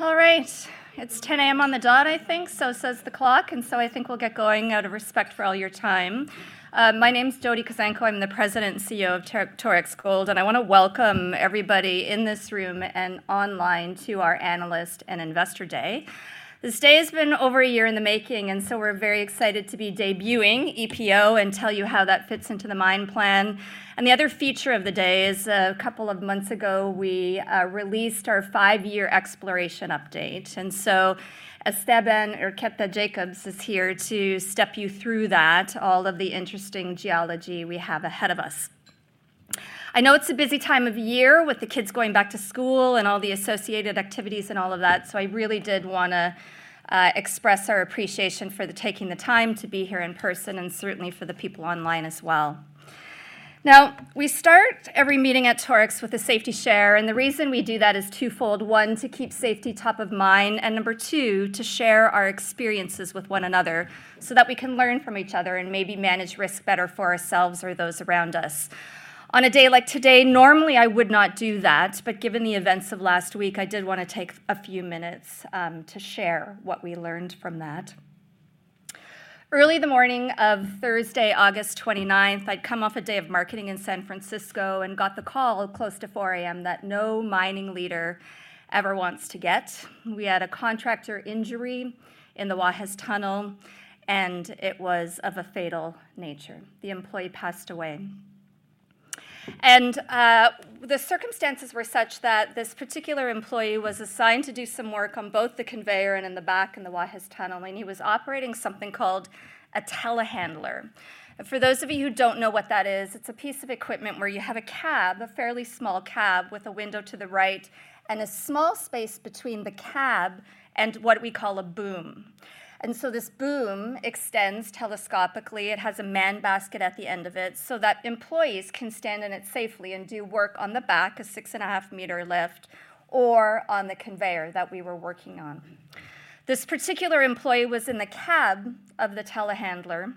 All right, it's 10:00 A.M. on the dot, I think, so says the clock, and so I think we'll get going out of respect for all your time. My name's Jody Kuzenko. I'm the President and CEO of Torex Gold, and I wanna welcome everybody in this room and online to our Analyst and Investor Day. This day has been over a year in the making, and so we're very excited to be debuting EPO and tell you how that fits into the mine plan, and the other feature of the day is, a couple of months ago, we released our five-year exploration update, and so Esteban Urqueta Jacobs is here to step you through that, all of the interesting geology we have ahead of us. I know it's a busy time of year with the kids going back to school and all the associated activities and all of that, so I really did wanna express our appreciation for taking the time to be here in person, and certainly for the people online as well. Now, we start every meeting at Torex with a safety share, and the reason we do that is twofold: one, to keep safety top of mind, and number two, to share our experiences with one another so that we can learn from each other and maybe manage risk better for ourselves or those around us. On a day like today, normally I would not do that, but given the events of last week, I did wanna take a few minutes to share what we learned from that. Early the morning of Thursday, August 29th, I'd come off a day of marketing in San Francisco and got the call close to 4:00 A.M. that no mining leader ever wants to get. We had a contractor injury in the Guajes Tunnel, and it was of a fatal nature. The employee passed away, and the circumstances were such that this particular employee was assigned to do some work on both the conveyor and in the back, in the Guajes Tunnel, and he was operating something called a telehandler. And for those of you who don't know what that is, it's a piece of equipment where you have a cab, a fairly small cab, with a window to the right and a small space between the cab and what we call a boom. And so this boom extends telescopically. It has a man basket at the end of it so that employees can stand in it safely and do work on the back, a six-and-a-half meter lift, or on the conveyor that we were working on. This particular employee was in the cab of the telehandler,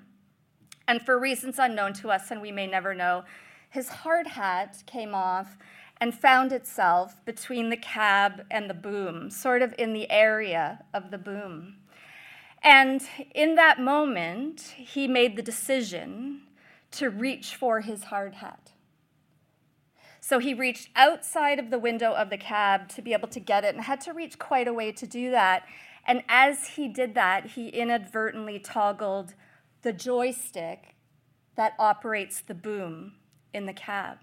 and for reasons unknown to us, and we may never know, his hard hat came off and found itself between the cab and the boom, sort of in the area of the boom. And in that moment, he made the decision to reach for his hard hat. So he reached outside of the window of the cab to be able to get it and had to reach quite a way to do that, and as he did that, he inadvertently toggled the joystick that operates the boom in the cab.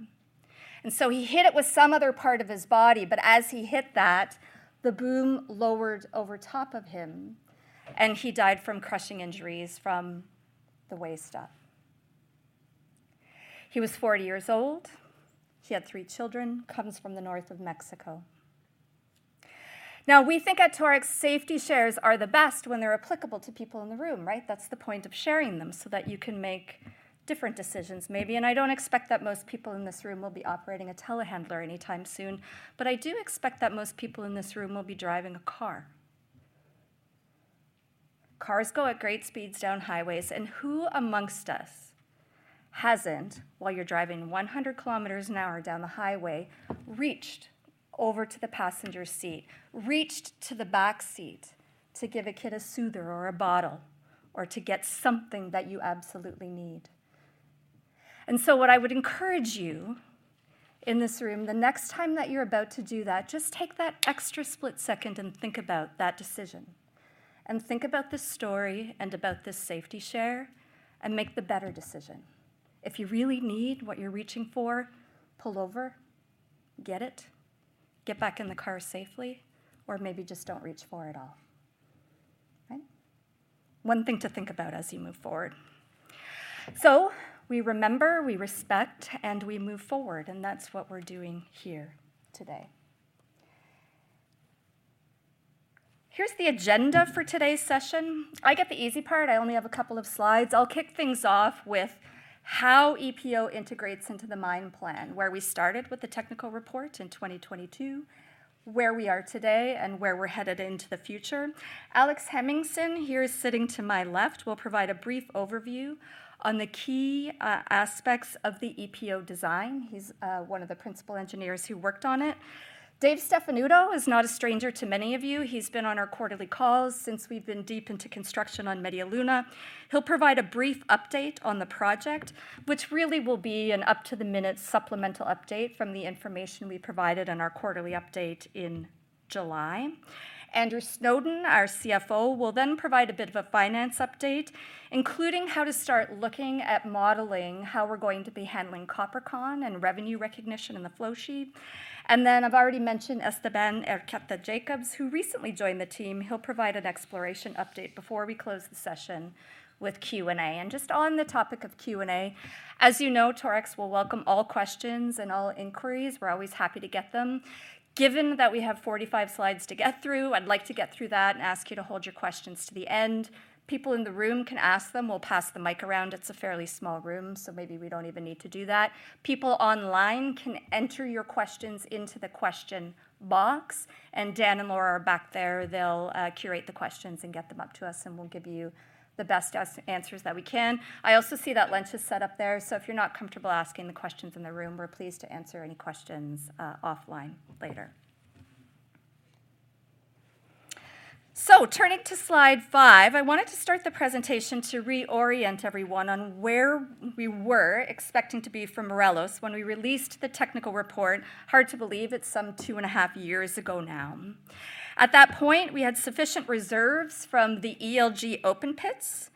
And so he hit it with some other part of his body, but as he hit that, the boom lowered over top of him, and he died from crushing injuries from the waist up. He was 40 years old. He had three children, comes from the north of Mexico. Now, we think at Torex, safety shares are the best when they're applicable to people in the room, right? That's the point of sharing them, so that you can make different decisions maybe. And I don't expect that most people in this room will be operating a telehandler anytime soon, but I do expect that most people in this room will be driving a car. Cars go at great speeds down highways, and who among us hasn't, while you're driving 100 km an hour down the highway, reached over to the passenger seat, reached to the back seat to give a kid a soother or a bottle, or to get something that you absolutely need? And so what I would encourage you in this room, the next time that you're about to do that, just take that extra split second and think about that decision, and think about this story and about this safety share, and make the better decision. If you really need what you're reaching for, pull over, get it, get back in the car safely, or maybe just don't reach for it all. Right? One thing to think about as you move forward. So we remember, we respect, and we move forward, and that's what we're doing here today. Here's the agenda for today's session. I get the easy part. I only have a couple of slides. I'll kick things off with how EPO integrates into the mine plan, where we started with the technical report in 2022, where we are today, and where we're headed into the future. Alex Hemmingsen, here sitting to my left, will provide a brief overview on the key aspects of the EPO design. He's one of the principal engineers who worked on it. Dave Stefanuto is not a stranger to many of you. He's been on our quarterly calls since we've been deep into construction on Media Luna. He'll provide a brief update on the project, which really will be an up-to-the-minute supplemental update from the information we provided in our quarterly update in July. Andrew Snowden, our CFO, will then provide a bit of a finance update, including how to start looking at modeling, how we're going to be handling copper con and revenue recognition in the flow sheet. And then I've already mentioned Esteban Urqueta Jacobs, who recently joined the team. He'll provide an exploration update before we close the session with Q&A. And just on the topic of Q&A, as you know, Torex will welcome all questions and all inquiries. We're always happy to get them. Given that we have 45 slides to get through, I'd like to get through that and ask you to hold your questions to the end. People in the room can ask them. We'll pass the mic around. It's a fairly small room, so maybe we don't even need to do that. People online can enter your questions into the question box, and Dan and Laura are back there. They'll curate the questions and get them up to us, and we'll give you the best answers that we can. I also see that lunch is set up there, so if you're not comfortable asking the questions in the room, we're pleased to answer any questions offline later. So turning to slide five, I wanted to start the presentation to reorient everyone on where we were expecting to be for Morelos when we released the technical report. Hard to believe it's some 2.5 years ago now. At that point, we had sufficient reserves from the ELG open pits,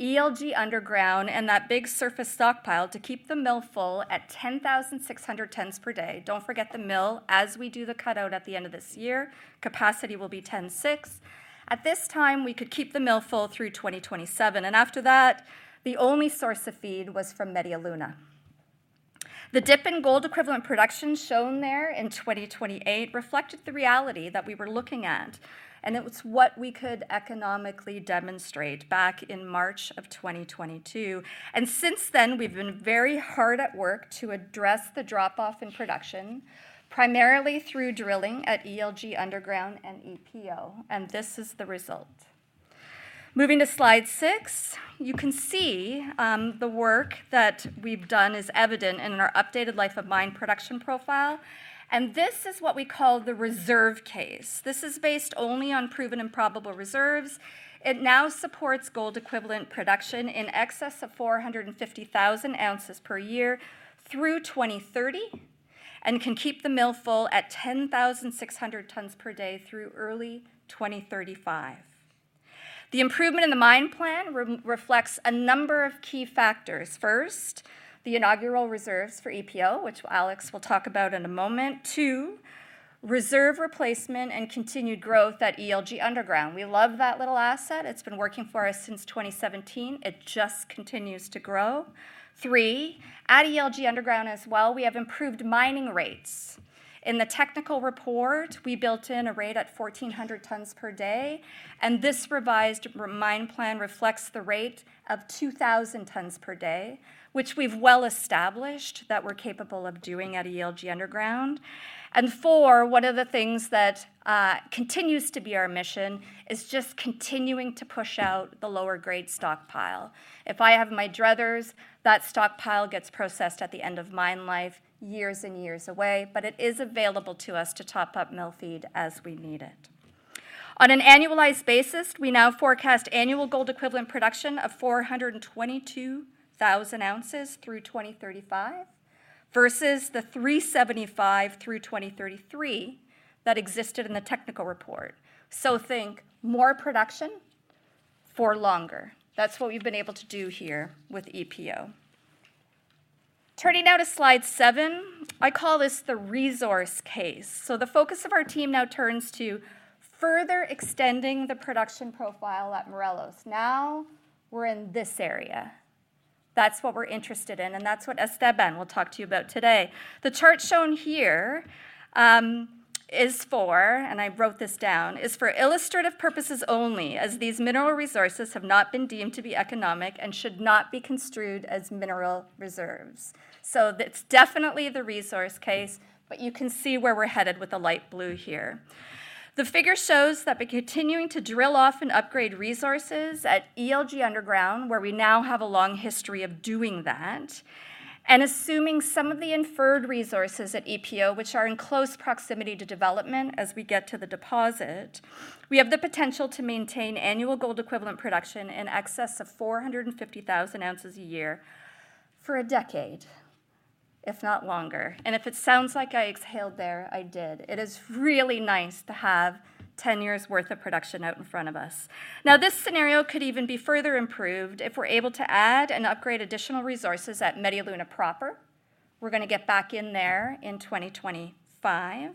ELG underground, and that big surface stockpile to keep the mill full at 10,600 tons per day. Don't forget the mill. As we do the cut-out at the end of this year, capacity will be ten six. At this time, we could keep the mill full through 2027, and after that, the only source of feed was from Media Luna. The dip in gold equivalent production shown there in 2028 reflected the reality that we were looking at, and it was what we could economically demonstrate back in March of 2022. Since then, we've been very hard at work to address the drop-off in production, primarily through drilling at ELG Underground and EPO, and this is the result. Moving to slide six, you can see the work that we've done is evident in our updated life of mine production profile, and this is what we call the reserve case. This is based only on proven and probable reserves. It now supports gold equivalent production in excess of 450,000 ounces per year through 2030, and can keep the mill full at 10,600 tons per day through early 2035. The improvement in the mine plan reflects a number of key factors. First, the inaugural reserves for EPO, which Alex will talk about in a moment. Two, reserve replacement and continued growth at ELG Underground. We love that little asset. It's been working for us since 2017. It just continues to grow. Three, at ELG Underground as well, we have improved mining rates. In the technical report, we built in a rate at 1,400 tons per day, and this revised mine plan reflects the rate of 2,000 tons per day, which we've well established that we're capable of doing at ELG Underground. Four, one of the things that continues to be our mission is just continuing to push out the lower grade stockpile. If I have my druthers, that stockpile gets processed at the end of mine life, years and years away, but it is available to us to top up mill feed as we need it. On an annualized basis, we now forecast annual gold equivalent production of 422,000 ounces through 2035, versus the 375 through 2033 that existed in the technical report. Think more production for longer. That's what we've been able to do here with EPO. Turning now to slide seven, I call this the resource case. The focus of our team now turns to further extending the production profile at Morelos. Now, we're in this area. That's what we're interested in, and that's what Esteban will talk to you about today. The chart shown here is for, and I wrote this down, is for illustrative purposes only, as these mineral resources have not been deemed to be economic and should not be construed as mineral reserves. So that's definitely the resource case, but you can see where we're headed with the light blue here. The figure shows that by continuing to drill off and upgrade resources at ELG Underground, where we now have a long history of doing that, and assuming some of the inferred resources at EPO, which are in close proximity to development as we get to the deposit, we have the potential to maintain annual gold equivalent production in excess of four hundred and fifty thousand ounces a year for a decade, if not longer. And if it sounds like I exhaled there, I did. It is really nice to have 10 years worth of production out in front of us. Now, this scenario could even be further improved if we're able to add and upgrade additional resources at Media Luna proper. We're gonna get back in there in 2025.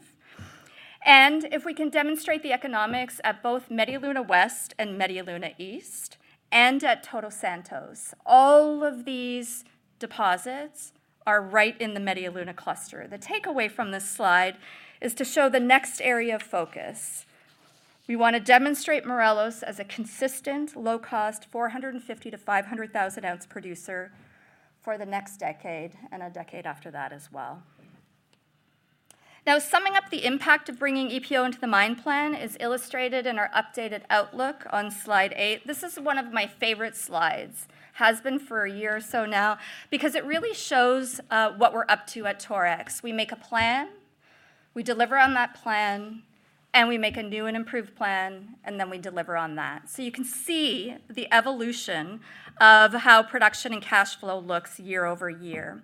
And if we can demonstrate the economics at both Media Luna West and Media Luna East and at Todos Santos, all of these deposits are right in the Media Luna cluster. The takeaway from this slide is to show the next area of focus. We wanna demonstrate Morelos as a consistent, low-cost, 450,000 ounce-500,000 ounce producer for the next decade and a decade after that as well. Now, summing up the impact of bringing EPO into the mine plan is illustrated in our updated outlook on slide eight. This is one of my favorite slides, has been for a year or so now, because it really shows what we're up to at Torex. We make a plan, we deliver on that plan, and we make a new and improved plan, and then we deliver on that. So you can see the evolution of how production and cash flow looks year over year.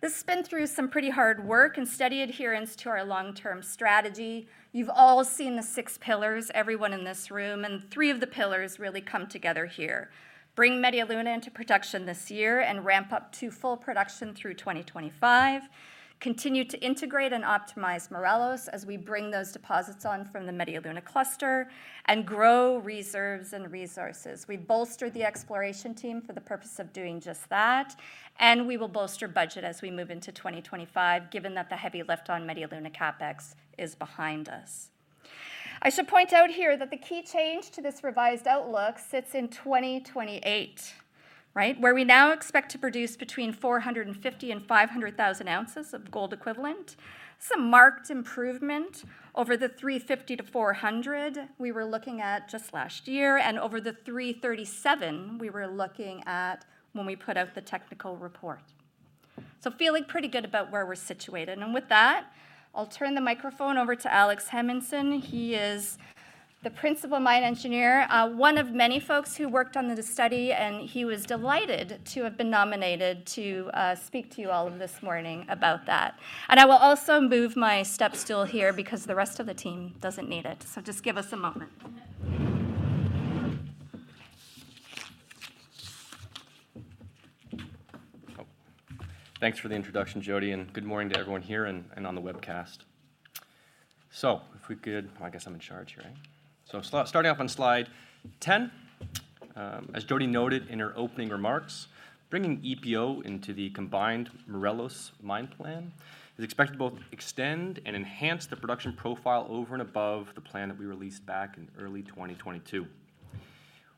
This has been through some pretty hard work and steady adherence to our long-term strategy. You've all seen the six pillars, everyone in this room, and three of the pillars really come together here. Bring Media Luna into production this year and ramp up to full production through 2025. Continue to integrate and optimize Morelos as we bring those deposits on from the Media Luna cluster and grow reserves and resources. We've bolstered the exploration team for the purpose of doing just that, and we will bolster budget as we move into 2025, given that the heavy lift on Media Luna CapEx is behind us. I should point out here that the key change to this revised outlook sits in 2028, right? Where we now expect to produce between 450 and 500 thousand ounces of gold equivalent. It's a marked improvement over the 350 to 400 we were looking at just last year, and over the 337 we were looking at when we put out the technical report, so feeling pretty good about where we're situated. And with that, I'll turn the microphone over to Alex Hemmingsen. He is the Principal Mine Engineer, one of many folks who worked on the study, and he was delighted to have been nominated to speak to you all this morning about that. And I will also move my step stool here, because the rest of the team doesn't need it. So just give us a moment. Thanks for the introduction, Jody, and good morning to everyone here and on the webcast. I guess I'm in charge here, right? So starting off on slide 10, as Jody noted in her opening remarks, bringing EPO into the combined Morelos mine plan is expected to both extend and enhance the production profile over and above the plan that we released back in early 2022.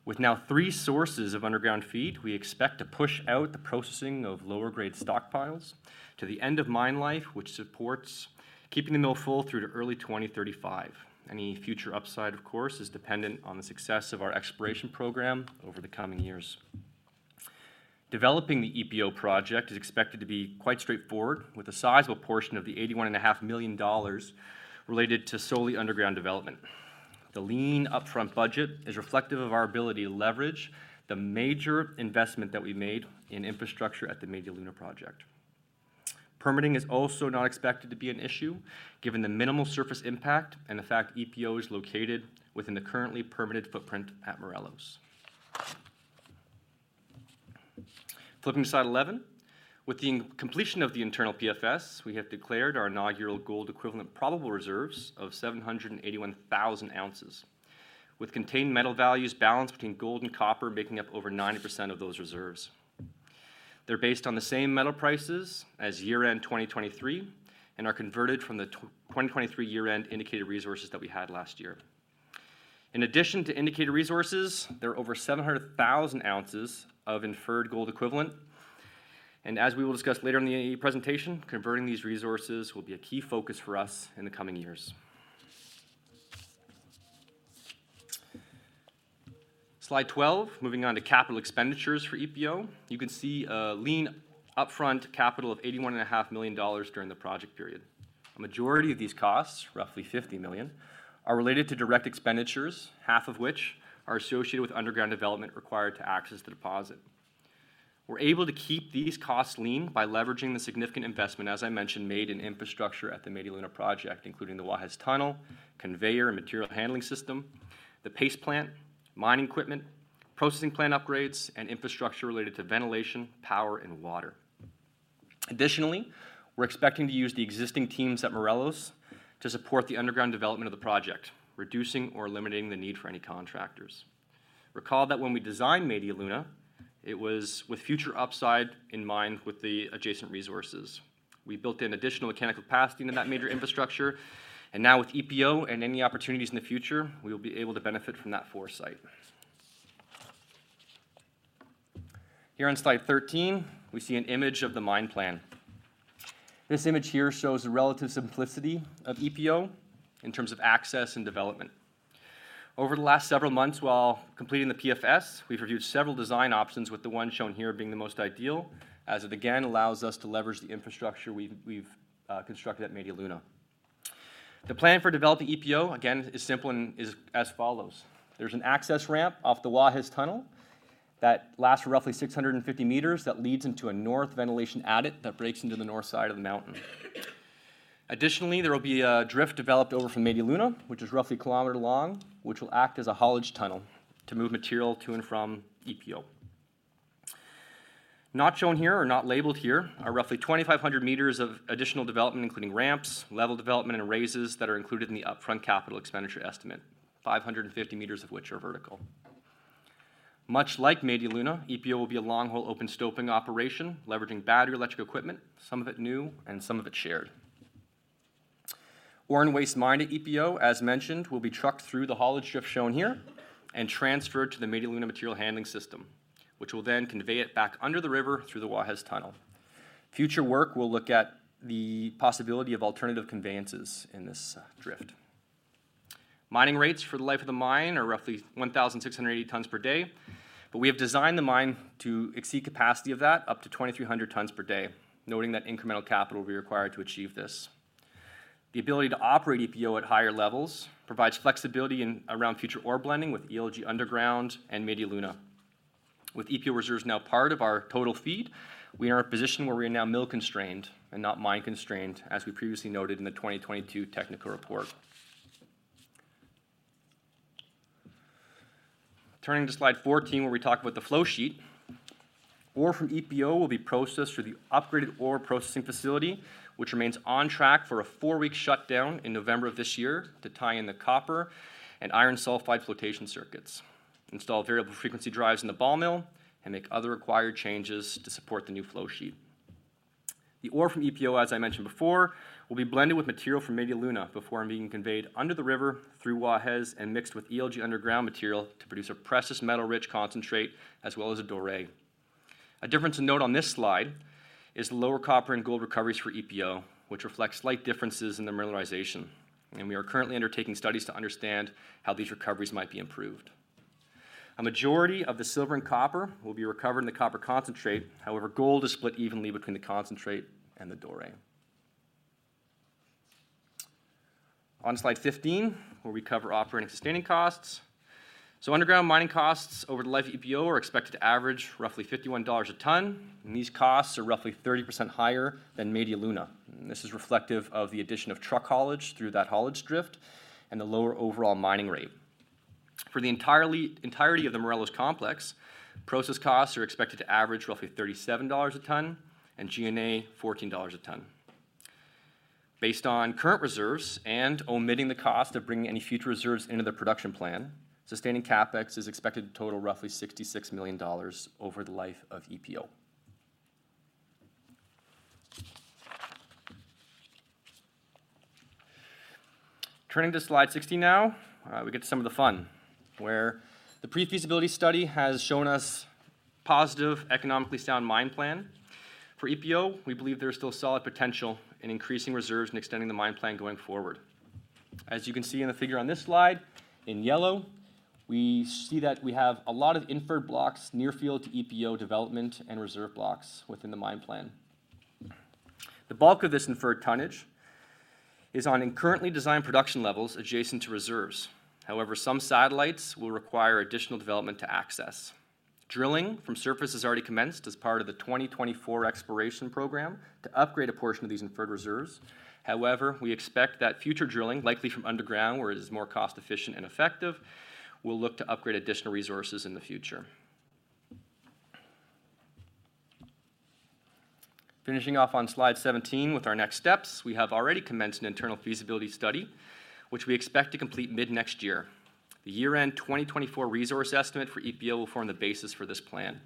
With now three sources of underground feed, we expect to push out the processing of lower grade stockpiles to the end of mine life, which supports keeping the mill full through to early 2035. Any future upside, of course, is dependent on the success of our exploration program over the coming years. Developing the EPO project is expected to be quite straightforward, with a sizable portion of the $81.5 million related to solely underground development. The lean upfront budget is reflective of our ability to leverage the major investment that we made in infrastructure at the Media Luna project. Permitting is also not expected to be an issue, given the minimal surface impact and the fact EPO is located within the currently permitted footprint at Morelos. Flipping to slide 11, with the completion of the internal PFS, we have declared our inaugural gold equivalent probable reserves of 781,000 ounces, with contained metal values balanced between gold and copper, making up over 90% of those reserves. They're based on the same metal prices as year-end 2023 and are converted from the 2023 year-end indicated resources that we had last year. In addition to indicated resources, there are over 700,000 ounces of inferred gold equivalent, and as we will discuss later in the presentation, converting these resources will be a key focus for us in the coming years. Slide 12, moving on to capital expenditures for EPO. You can see a lean upfront capital of $81.5 million during the project period. A majority of these costs, roughly $50 million, are related to direct expenditures, half of which are associated with underground development required to access the deposit. We're able to keep these costs lean by leveraging the significant investment, as I mentioned, made in infrastructure at the Media Luna project, including the Guajes Tunnel, conveyor and material handling system, the paste plant, mining equipment, processing plant upgrades, and infrastructure related to ventilation, power, and water. Additionally, we're expecting to use the existing teams at Morelos to support the underground development of the project, reducing or eliminating the need for any contractors. Recall that when we designed Media Luna, it was with future upside in mind with the adjacent resources. We built in additional mechanical capacity in that major infrastructure, and now with EPO and any opportunities in the future, we will be able to benefit from that foresight. Here on slide thirteen, we see an image of the mine plan. This image here shows the relative simplicity of EPO in terms of access and development. Over the last several months, while completing the PFS, we've reviewed several design options, with the one shown here being the most ideal, as it again allows us to leverage the infrastructure we've constructed at Media Luna. The plan for developing EPO, again, is simple and is as follows: There's an access ramp off the Guajes Tunnel that lasts for roughly 650 meters that leads into a north ventilation adit that breaks into the north side of the mountain. Additionally, there will be a drift developed over from Media Luna, which is roughly a kilometer long, which will act as a haulage tunnel to move material to and from EPO. Not shown here or not labeled here are roughly 2,500 m of additional development, including ramps, level development, and raises that are included in the upfront capital expenditure estimate, 550 m of which are vertical. Much like Media Luna, EPO will be a long-hole open stoping operation, leveraging battery electric equipment, some of it new and some of it shared. Ore and waste mined at EPO, as mentioned, will be trucked through the haulage drift shown here and transferred to the Media Luna material handling system, which will then convey it back under the river through the Guajes Tunnel. Future work will look at the possibility of alternative conveyances in this drift. Mining rates for the life of the mine are roughly 1,680 tons per day, but we have designed the mine to exceed capacity of that up to 2,300 tons per day, noting that incremental capital will be required to achieve this. The ability to operate EPO at higher levels provides flexibility in and around future ore blending with ELG Underground and Media Luna. With EPO reserves now part of our total feed, we are in a position where we are now mill constrained and not mine constrained, as we previously noted in the 2022 technical report. Turning to slide 14, where we talk about the flow sheet, ore from EPO will be processed through the upgraded ore processing facility, which remains on track for a four-week shutdown in November of this year to tie in the copper and iron sulphide flotation circuits, install variable frequency drives in the ball mill, and make other required changes to support the new flow sheet. The ore from EPO, as I mentioned before, will be blended with material from Media Luna before being conveyed under the river through Guajes and mixed with ELG underground material to produce a precious metal-rich concentrate, as well as a doré. A difference to note on this slide is the lower copper and gold recoveries for EPO, which reflects slight differences in the mineralization, and we are currently undertaking studies to understand how these recoveries might be improved. A majority of the silver and copper will be recovered in the copper concentrate; however, gold is split evenly between the concentrate and the doré. On slide 15, where we cover operating sustaining costs. Underground mining costs over the life of EPO are expected to average roughly $51 a ton, and these costs are roughly 30% higher than Media Luna. This is reflective of the addition of truck haulage through that haulage drift and the lower overall mining rate. For the entirety of the Morelos Complex, process costs are expected to average roughly $37 a ton, and G&A, $14 a ton. Based on current reserves and omitting the cost of bringing any future reserves into the production plan, sustaining CapEx is expected to total roughly $66 million over the life of EPO. Turning to slide 16 now, we get to some of the fun, where the pre-feasibility study has shown us positive, economically sound mine plan. For EPO, we believe there is still solid potential in increasing reserves and extending the mine plan going forward. As you can see in the figure on this slide, in yellow, we see that we have a lot of inferred blocks near field to EPO development and reserve blocks within the mine plan. The bulk of this inferred tonnage is in currently designed production levels adjacent to reserves. However, some satellites will require additional development to access. Drilling from surface has already commenced as part of the 2024 exploration program to upgrade a portion of these inferred reserves. However, we expect that future drilling, likely from underground, where it is more cost-efficient and effective, will look to upgrade additional resources in the future. Finishing off on Slide 17 with our next steps, we have already commenced an internal feasibility study, which we expect to complete mid-next year. The year-end 2024 resource estimate for EPO will form the basis for this plan.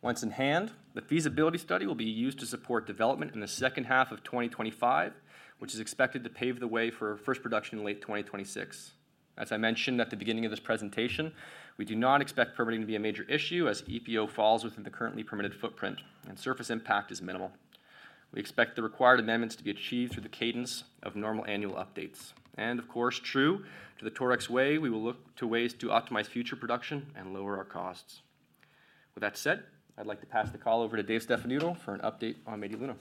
Once in hand, the feasibility study will be used to support development in the second half of 2025, which is expected to pave the way for first production in late 2026. As I mentioned at the beginning of this presentation, we do not expect permitting to be a major issue as EPO falls within the currently permitted footprint, and surface impact is minimal. We expect the required amendments to be achieved through the cadence of normal annual updates, and of course, true to the Torex way, we will look to ways to optimize future production and lower our costs. With that said, I'd like to pass the call over to Dave Stefanuto for an update on Media Luna.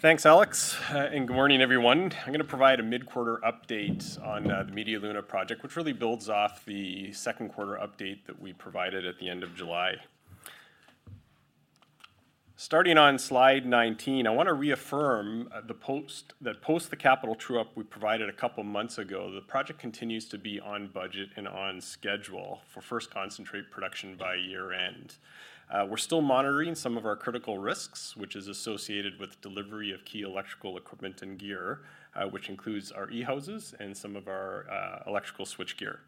Thanks, Alex, and good morning, everyone. I'm gonna provide a mid-quarter update on the Media Luna project, which really builds off the second quarter update that we provided at the end of July. Starting on slide nineteen, I wanna reaffirm that post the capital true-up we provided a couple of months ago, the project continues to be on budget and on schedule for first concentrate production by year-end. We're still monitoring some of our critical risks, which is associated with delivery of key electrical equipment and gear, which includes our E-houses and some of our electrical switch gear.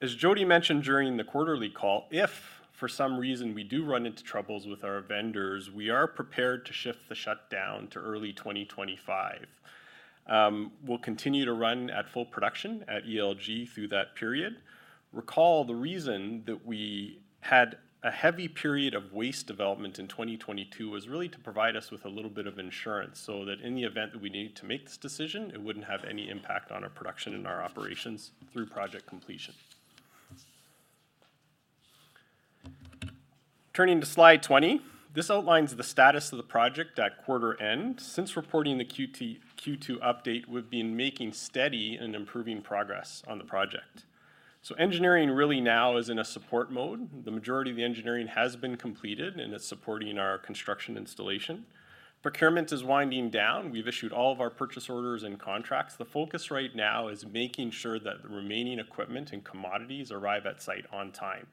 As Jody mentioned during the quarterly call, if for some reason we do run into troubles with our vendors, we are prepared to shift the shutdown to early 2025. We'll continue to run at full production at ELG through that period. Recall, the reason that we had a heavy period of waste development in 2022 was really to provide us with a little bit of insurance, so that in the event that we needed to make this decision, it wouldn't have any impact on our production and our operations through project completion. Turning to slide 20, this outlines the status of the project at quarter end. Since reporting the Q2 update, we've been making steady and improving progress on the project. So engineering really now is in a support mode. The majority of the engineering has been completed, and it's supporting our construction installation. Procurement is winding down. We've issued all of our purchase orders and contracts. The focus right now is making sure that the remaining equipment and commodities arrive at site on time.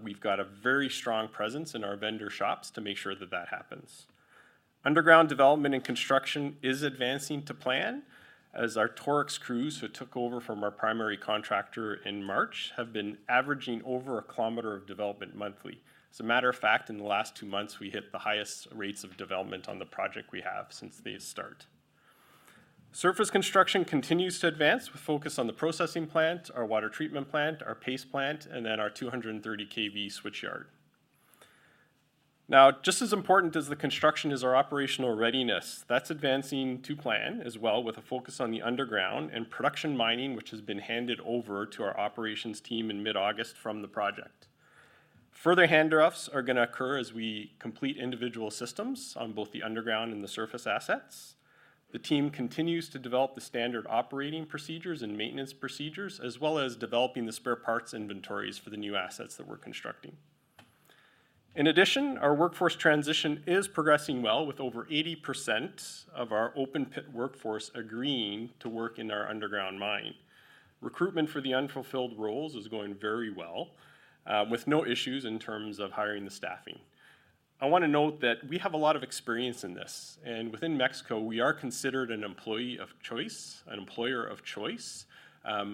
We've got a very strong presence in our vendor shops to make sure that that happens. Underground development and construction is advancing to plan, as our Torex crews, who took over from our primary contractor in March, have been averaging over a kilometer of development monthly. As a matter of fact, in the last two months, we hit the highest rates of development on the project we have since the start. Surface construction continues to advance. We focus on the processing plant, our water treatment plant, our paste plant, and then our 230 kV switchyard. Now, just as important as the construction is our operational readiness. That's advancing to plan as well, with a focus on the underground and production mining, which has been handed over to our operations team in mid-August from the project. Further handoffs are gonna occur as we complete individual systems on both the underground and the surface assets. The team continues to develop the standard operating procedures and maintenance procedures, as well as developing the spare parts inventories for the new assets that we're constructing. In addition, our workforce transition is progressing well, with over 80% of our open pit workforce agreeing to work in our underground mine. Recruitment for the unfulfilled roles is going very well, with no issues in terms of hiring and staffing. I wanna note that we have a lot of experience in this, and within Mexico, we are considered an employee of choice, an employer of choice,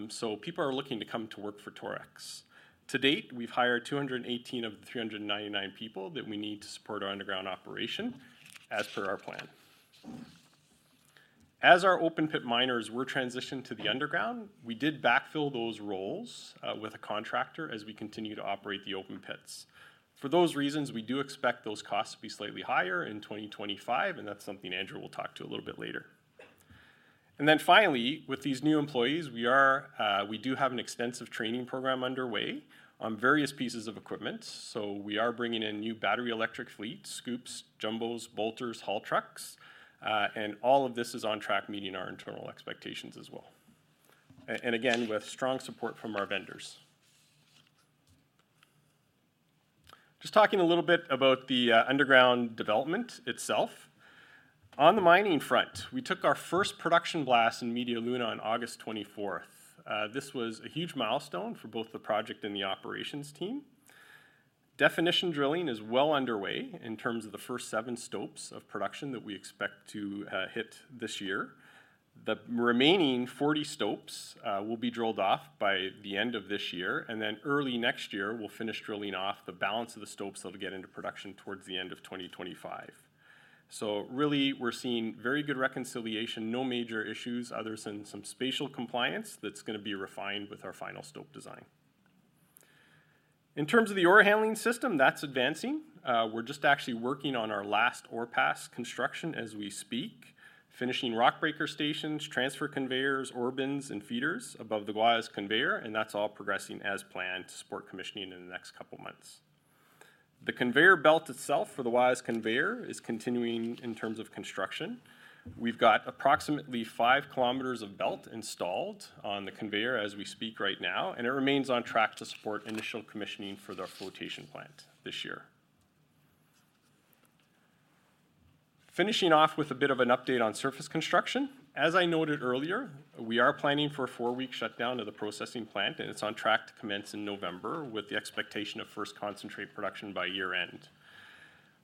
so people are looking to come to work for Torex. To date, we've hired 218 of the 399 people that we need to support our underground operation, as per our plan. As our open pit miners were transitioned to the underground, we did backfill those roles with a contractor as we continue to operate the open pits. For those reasons, we do expect those costs to be slightly higher in 2025, and that's something Andrew will talk to a little bit later. And then finally, with these new employees, we do have an extensive training program underway on various pieces of equipment. So we are bringing in new battery electric fleet, scoops, jumbos, bolters, haul trucks, and all of this is on track, meeting our internal expectations as well. And again, with strong support from our vendors. Just talking a little bit about the underground development itself. On the mining front, we took our first production blast in Media Luna on August twenty-fourth. This was a huge milestone for both the project and the operations team. Definition drilling is well underway in terms of the first seven stopes of production that we expect to hit this year. The remaining forty stopes will be drilled off by the end of this year, and then early next year, we'll finish drilling off the balance of the stopes that'll get into production towards the end of 2025. So really, we're seeing very good reconciliation, no major issues other than some spatial compliance that's gonna be refined with our final stope design. In terms of the ore handling system, that's advancing. We're just actually working on our last ore pass construction as we speak, finishing rock breaker stations, transfer conveyors, ore bins, and feeders above the Guajes Conveyor, and that's all progressing as planned to support commissioning in the next couple of months. The conveyor belt itself for the Guajes Conveyor is continuing in terms of construction. We've got approximately five kilometers of belt installed on the conveyor as we speak right now, and it remains on track to support initial commissioning for the flotation plant this year. Finishing off with a bit of an update on surface construction, as I noted earlier, we are planning for a four-week shutdown of the processing plant, and it's on track to commence in November, with the expectation of first concentrate production by year-end.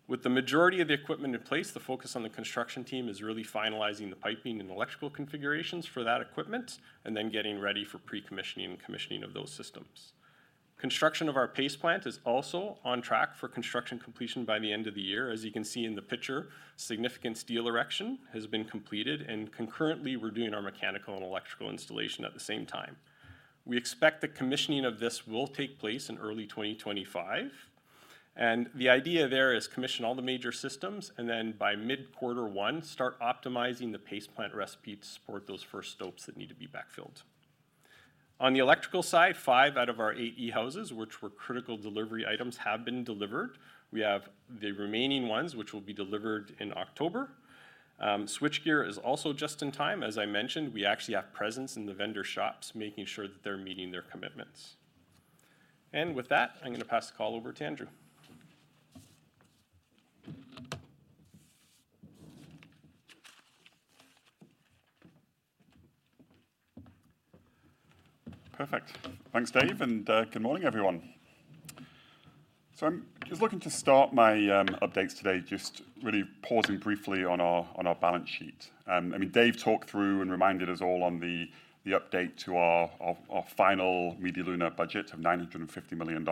With the majority of the equipment in place, the focus on the construction team is really finalizing the piping and electrical configurations for that equipment, and then getting ready for pre-commissioning and commissioning of those systems. Construction of our paste plant is also on track for construction completion by the end of the year. As you can see in the picture, significant steel erection has been completed, and concurrently, we're doing our mechanical and electrical installation at the same time. We expect the commissioning of this will take place in early 2025, and the idea there is commission all the major systems, and then by mid-quarter one, start optimizing the paste plant recipe to support those first stopes that need to be backfilled. On the electrical side, five out of our eight e-houses, which were critical delivery items, have been delivered. We have the remaining ones, which will be delivered in October. Switchgear is also just in time. As I mentioned, we actually have presence in the vendor shops, making sure that they're meeting their commitments, and with that, I'm gonna pass the call over to Andrew. Perfect. Thanks, Dave, and good morning, everyone. So I'm just looking to start my updates today, just really pausing briefly on our balance sheet. I mean, Dave talked through and reminded us all on the update to our final Media Luna budget of $950 million,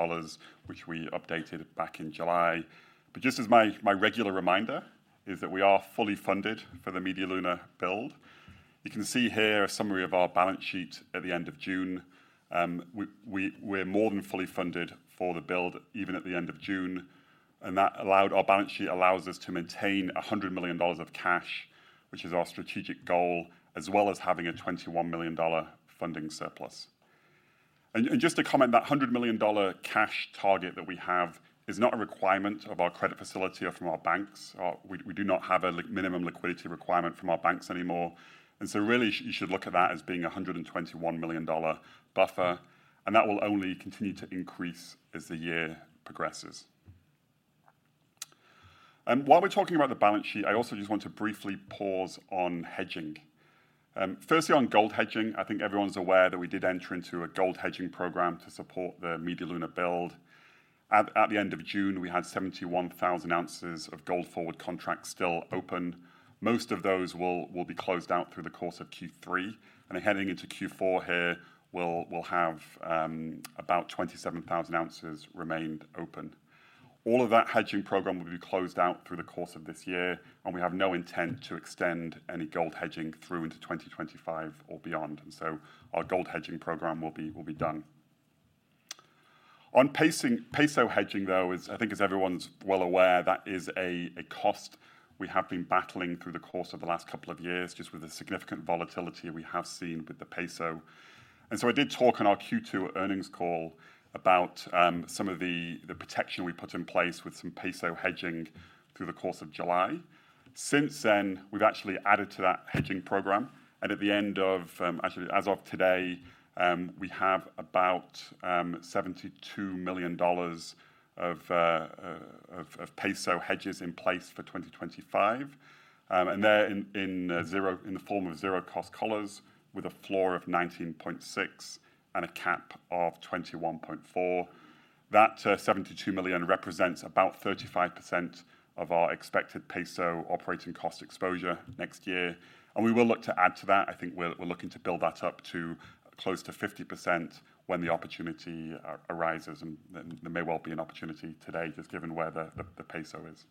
which we updated back in July. But just as my regular reminder is that we are fully funded for the Media Luna build. You can see here a summary of our balance sheet at the end of June. We're more than fully funded for the build, even at the end of June, and that allows our balance sheet to maintain $100 million of cash, which is our strategic goal, as well as having a $21 million funding surplus. Just to comment, that $100 million cash target that we have is not a requirement of our credit facility or from our banks. We do not have a minimum liquidity requirement from our banks anymore, and so really, you should look at that as being a $121 million buffer, and that will only continue to increase as the year progresses. While we're talking about the balance sheet, I also just want to briefly pause on hedging. Firstly, on gold hedging, I think everyone's aware that we did enter into a gold hedging program to support the Media Luna build. At the end of June, we had 71,000 ounces of gold forward contracts still open. Most of those will be closed out through the course of Q3, and heading into Q4 here, we'll have about 27,000 ounces remained open. All of that hedging program will be closed out through the course of this year, and we have no intent to extend any gold hedging through into 2025 or beyond, and so our gold hedging program will be done. On peso hedging, though, I think as everyone's well aware, that is a cost we have been battling through the course of the last couple of years, just with the significant volatility we have seen with the peso. And so I did talk on our Q2 earnings call about some of the protection we put in place with some peso hedging through the course of July. Since then, we've actually added to that hedging program, and at the end of, actually, as of today, we have about $72 million of peso hedges in place for 2025. And they're in the form of zero cost collars with a floor of 19.6 and a cap of 21.4. That $72 million represents about 35% of our expected peso operating cost exposure next year, and we will look to add to that. I think we're looking to build that up to close to 50% when the opportunity arises, and then there may well be an opportunity today, just given where the peso is.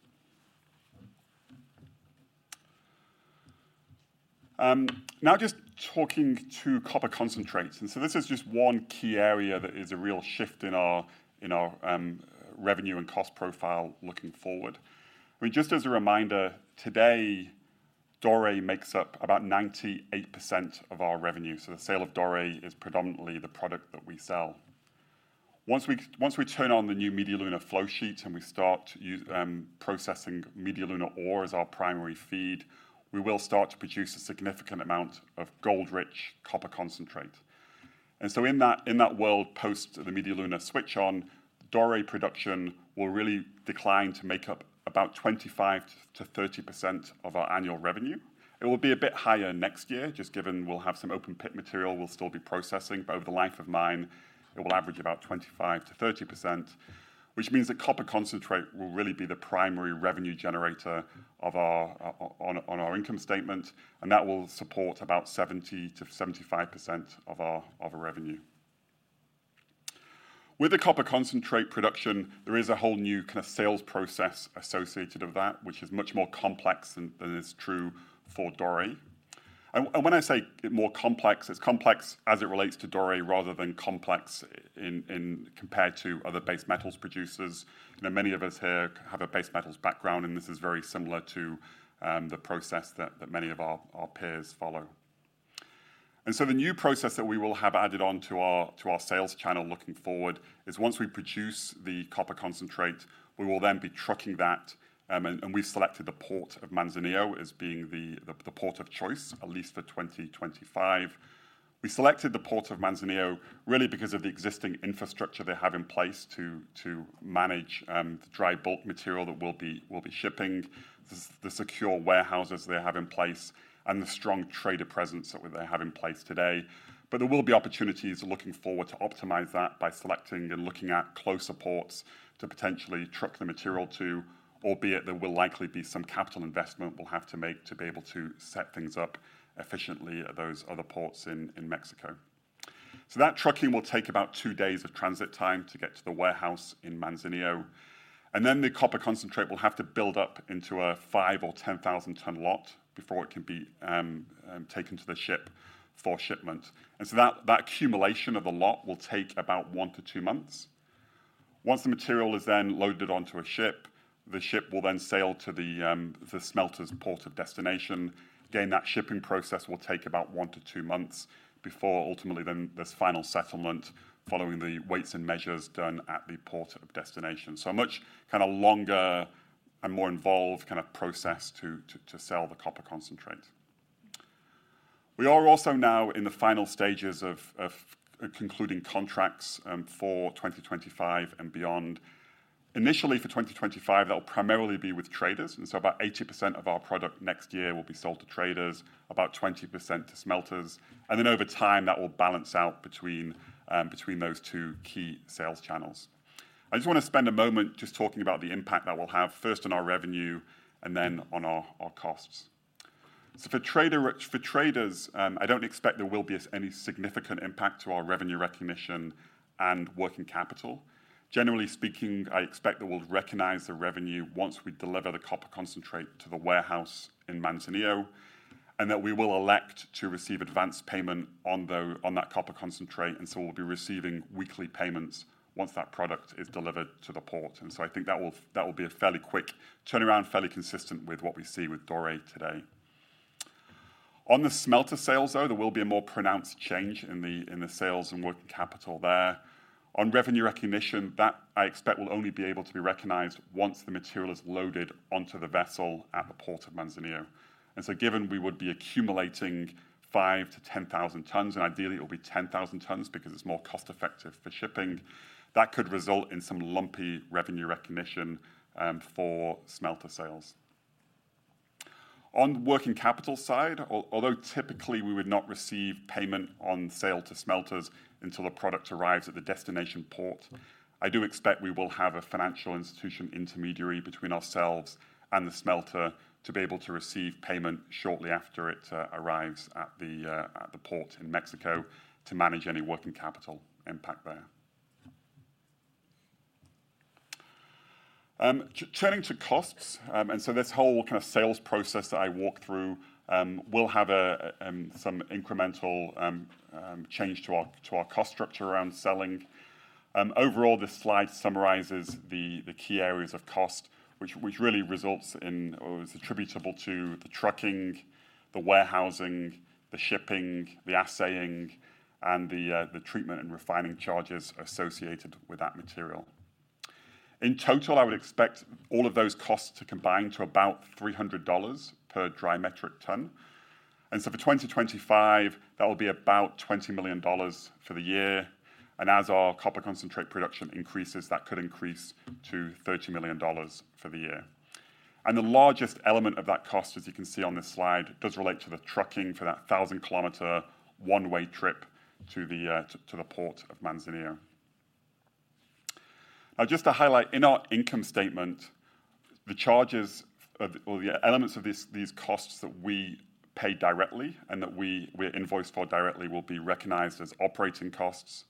Now just talking to copper concentrates. And so this is just one key area that is a real shift in our revenue and cost profile looking forward. I mean, just as a reminder, today, doré makes up about 98% of our revenue, so the sale of doré is predominantly the product that we sell. Once we turn on the new Media Luna flow sheet, and we start processing Media Luna ore as our primary feed, we will start to produce a significant amount of gold-rich copper concentrate. And so in that world, post the Media Luna switch on, doré production will really decline to make up about 25%-30% of our annual revenue. It will be a bit higher next year, just given we'll have some open pit material we'll still be processing, but over the life of mine, it will average about 25%-30%, which means that copper concentrate will really be the primary revenue generator of our on our income statement, and that will support about 70%-75% of our revenue. With the copper concentrate production, there is a whole new kind of sales process associated with that, which is much more complex than is true for doré, and when I say more complex, it's complex as it relates to doré rather than complex in comparison to other base metals producers. You know, many of us here have a base metals background, and this is very similar to the process that many of our peers follow. And so the new process that we will have added on to our sales channel looking forward is once we produce the copper concentrate, we will then be trucking that, and we selected the port of Manzanillo as being the port of choice, at least for 2025. We selected the port of Manzanillo really because of the existing infrastructure they have in place to manage the dry bulk material that we'll be shipping, the secure warehouses they have in place, and the strong trader presence that they have in place today. But there will be opportunities looking forward to optimize that by selecting and looking at closer ports to potentially truck the material to, albeit there will likely be some capital investment we'll have to make to be able to set things up efficiently at those other ports in Mexico. So that trucking will take about two days of transit time to get to the warehouse in Manzanillo, and then the copper concentrate will have to build up into a five or 10 thousand-ton lot before it can be taken to the ship for shipment. And so that accumulation of the lot will take about one to two months. Once the material is then loaded onto a ship, the ship will then sail to the smelter's port of destination. Again, that shipping process will take about one to two months before ultimately then there's final settlement following the weights and measures done at the port of destination. So a much kinda longer and more involved kinda process to sell the copper concentrate. We are also now in the final stages of concluding contracts for 2025 and beyond. Initially, for 2025, that will primarily be with traders, and so about 80% of our product next year will be sold to traders, about 20% to smelters, and then over time, that will balance out between those two key sales channels. I just wanna spend a moment just talking about the impact that will have, first on our revenue and then on our costs. For traders, I don't expect there will be any significant impact to our revenue recognition and working capital. Generally speaking, I expect that we'll recognize the revenue once we deliver the copper concentrate to the warehouse in Manzanillo, and that we will elect to receive advanced payment on that copper concentrate, and so we'll be receiving weekly payments once that product is delivered to the port. I think that will be a fairly quick turnaround, fairly consistent with what we see with doré today. On the smelter sales, though, there will be a more pronounced change in the sales and working capital there. On revenue recognition, that I expect will only be able to be recognized once the material is loaded onto the vessel at the port of Manzanillo. And so given we would be accumulating five to 10 thousand tons, and ideally it will be 10 thousand tons, because it's more cost-effective for shipping, that could result in some lumpy revenue recognition for smelter sales. On the working capital side, although typically we would not receive payment on sale to smelters until a product arrives at the destination port, I do expect we will have a financial institution intermediary between ourselves and the smelter to be able to receive payment shortly after it arrives at the port in Mexico to manage any working capital impact there. Turning to costs, and so this whole kind of sales process that I walked through will have some incremental change to our cost structure around selling. Overall, this slide summarizes the key areas of cost, which really results in or is attributable to the trucking, the warehousing, the shipping, the assaying, and the treatment and refining charges associated with that material. In total, I would expect all of those costs to combine to about $300 per dry metric ton. So for 2025, that will be about $20 million for the year, and as our copper concentrate production increases, that could increase to $30 million for the year. The largest element of that cost, as you can see on this slide, does relate to the trucking for that 1,000-kilometer, one-way trip to the port of Manzanillo. Now, just to highlight, in our income statement, the charges or the elements of these costs that we pay directly and that we're invoiced for directly will be recognized as operating costs.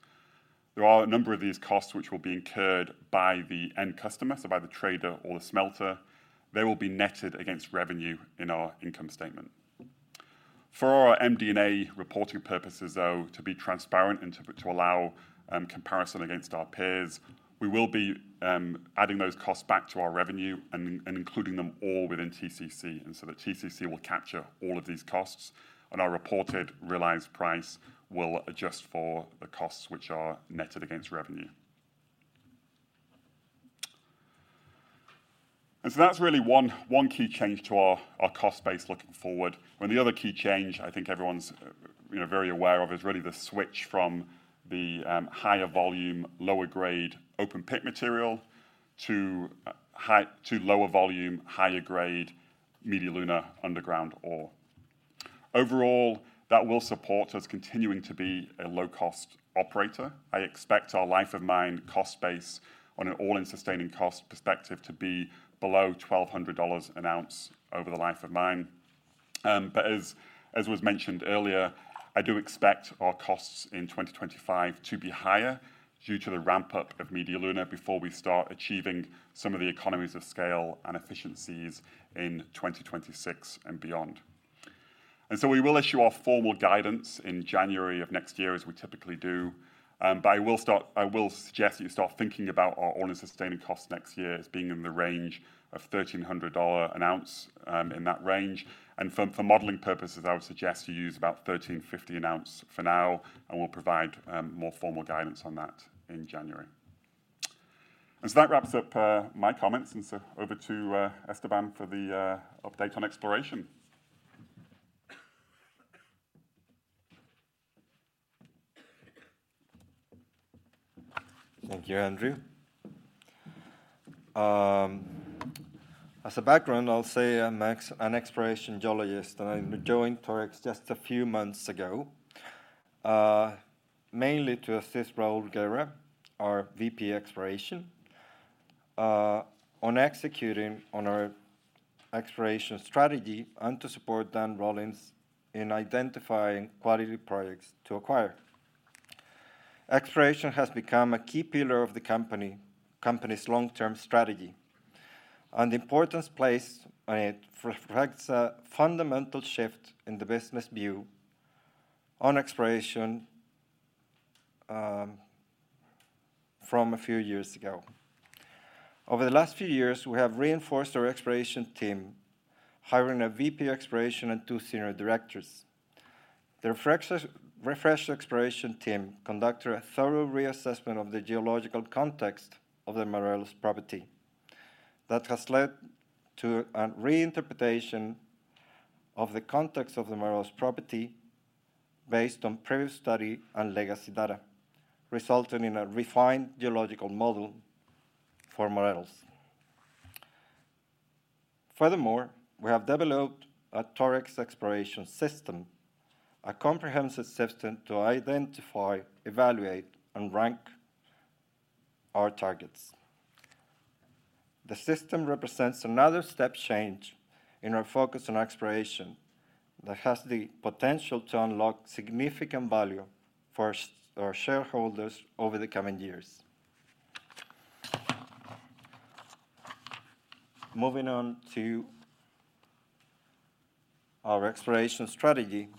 There are a number of these costs which will be incurred by the end customer, so by the trader or the smelter. They will be netted against revenue in our income statement. For our MD&A reporting purposes, though, to be transparent and to allow comparison against our peers, we will be adding those costs back to our revenue and including them all within TCC. And so the TCC will capture all of these costs, and our reported realized price will adjust for the costs which are netted against revenue. And so that's really one key change to our cost base looking forward. The other key change I think everyone's, you know, very aware of, is really the switch from the, higher volume, lower grade, open pit material to, to lower volume, higher grade Media Luna underground ore. Overall, that will support us continuing to be a low-cost operator. I expect our life of mine cost base on an all-in sustaining cost perspective to be below $1,200 an ounce over the life of mine. But as was mentioned earlier, I do expect our costs in 2025 to be higher due to the ramp-up of Media Luna before we start achieving some of the economies of scale and efficiencies in 2026 and beyond. And so we will issue our formal guidance in January of next year, as we typically do. But I will suggest that you start thinking about our All-In Sustaining Costs next year as being in the range of $1,300 an ounce, in that range. And for modelling purposes, I would suggest you use about $1,350 an ounce for now, and we'll provide more formal guidance on that in January. And so that wraps up my comments, and so over to Esteban for the update on exploration. Thank you, Andrew. As a background, I'll say I'm an exploration geologist, and I joined Torex just a few months ago, mainly to assist Raul Guerra, our VP Exploration, on executing on our exploration strategy and to support Dan Rollins in identifying quality projects to acquire. Exploration has become a key pillar of the company's long-term strategy, and the importance placed on it reflects a fundamental shift in the business view on exploration from a few years ago. Over the last few years, we have reinforced our exploration team, hiring a VP of Exploration and two senior directors. The refreshed exploration team conducted a thorough reassessment of the geological context of the Morelos Property. That has led to a reinterpretation of the context of the Morelos Property based on previous study and legacy data, resulting in a refined geological model for Morelos. Furthermore, we have developed a Torex exploration system, a comprehensive system to identify, evaluate, and rank our targets. The system represents another step change in our focus on exploration that has the potential to unlock significant value for our shareholders over the coming years. Moving on to our exploration strategy.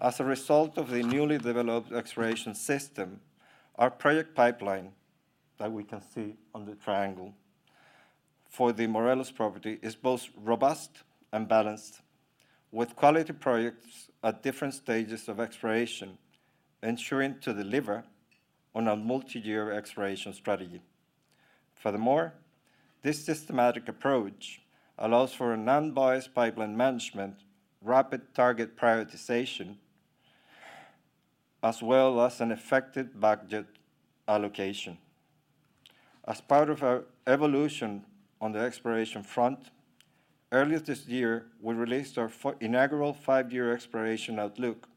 As a result of the newly developed exploration system, our project pipeline, that we can see on the triangle, for the Morelos property is both robust and balanced, with quality projects at different stages of exploration, ensuring to deliver on a multi-year exploration strategy. Furthermore, this systematic approach allows for an unbiased pipeline management, rapid target prioritization, as well as an effective budget allocation. As part of our evolution on the exploration front, earlier this year, we released our inaugural five-year exploration outlook,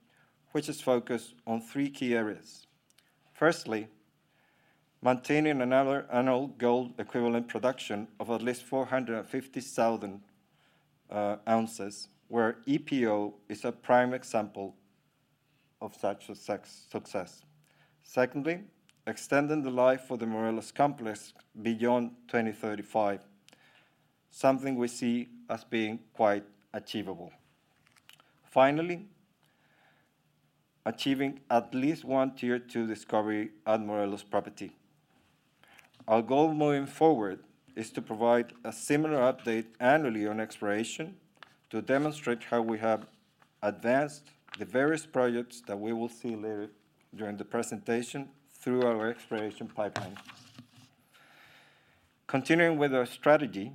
which is focused on three key areas. Firstly, maintaining another annual gold equivalent production of at least four hundred and fifty thousand ounces, where EPO is a prime example of such a success. Secondly, extending the life of the Morelos Complex beyond 2035, something we see as being quite achievable. Finally, achieving at least one Tier Two discovery at Morelos Property. Our goal moving forward is to provide a similar update annually on exploration to demonstrate how we have advanced the various projects that we will see later during the presentation through our exploration pipeline. Continuing with our strategy,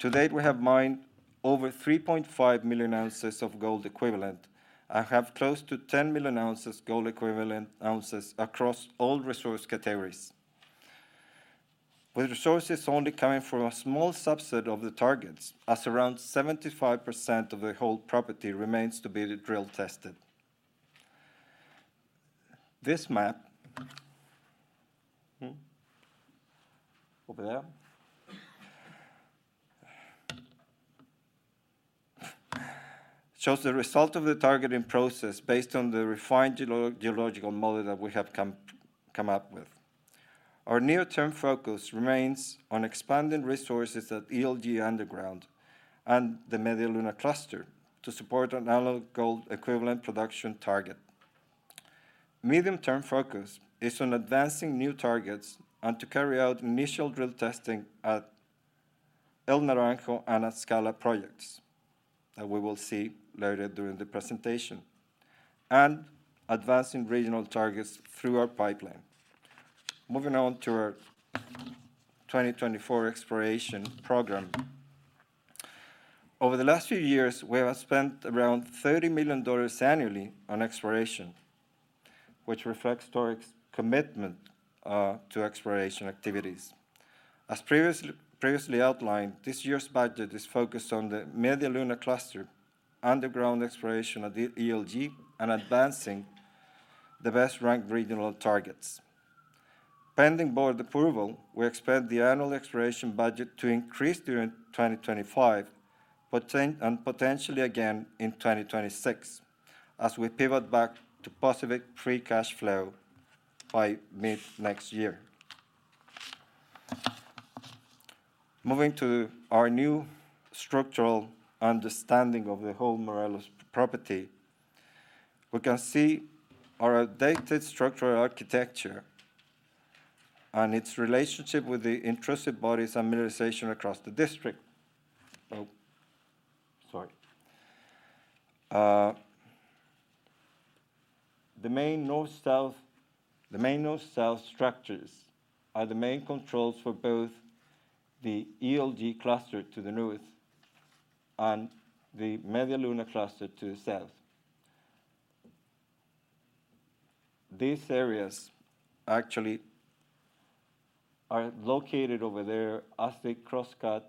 to date, we have mined over3.5 million ounces of gold equivalent and have close to ten million ounces gold equivalent across all resource categories. With resources only coming from a small subset of the targets, as around 75% of the whole property remains to be drill tested. This map... Over there shows the result of the targeting process based on the refined geological model that we have come up with. Our near-term focus remains on expanding resources at ELG Underground and the Media Luna cluster to support an annual gold equivalent production target. Medium-term focus is on advancing new targets and to carry out initial drill testing at El Naranjo and Atzcala projects, that we will see later during the presentation, and advancing regional targets through our pipeline. Moving on to our 2024 exploration program. Over the last few years, we have spent around $30 million annually on exploration, which reflects our commitment to exploration activities. As previously outlined, this year's budget is focused on the Media Luna cluster, underground exploration at the ELG, and advancing the best-ranked regional targets. Pending board approval, we expect the annual exploration budget to increase during 2025, and potentially again in 2026, as we pivot back to positive free cash flow by mid-next year. Moving to our new structural understanding of the whole Morelos property, we can see our updated structural architecture and its relationship with the intrusive bodies and mineralization across the district. The main north-south structures are the main controls for both the ELG cluster to the north and the Media Luna cluster to the south. These areas actually are located over there as they crosscut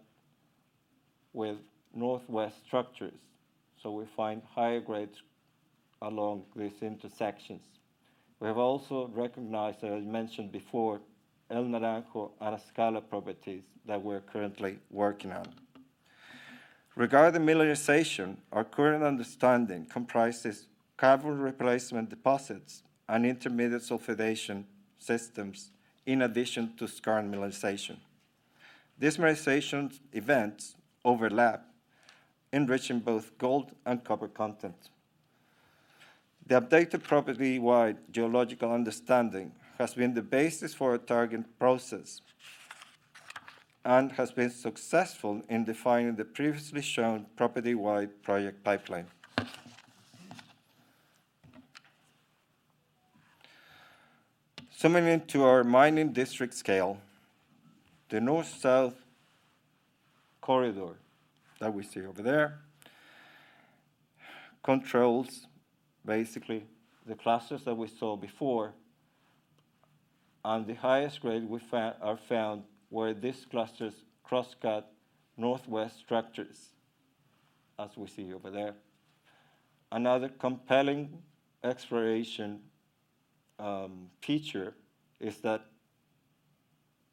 with northwest structures, so we find higher grades along these intersections. We have also recognized, as mentioned before, El Naranjo and Atzcala properties that we're currently working on. Regarding mineralization, our current understanding comprises copper replacement deposits and intermediate sulfidation systems in addition to skarn mineralization. These mineralization events overlap, enriching both gold and copper content. The updated property-wide geological understanding has been the basis for our target process, and has been successful in defining the previously shown property-wide project pipeline. Zooming into our mining district scale, the north-south corridor that we see over there controls basically the clusters that we saw before, and the highest grade are found where these clusters crosscut northwest structures, as we see over there. Another compelling exploration feature is that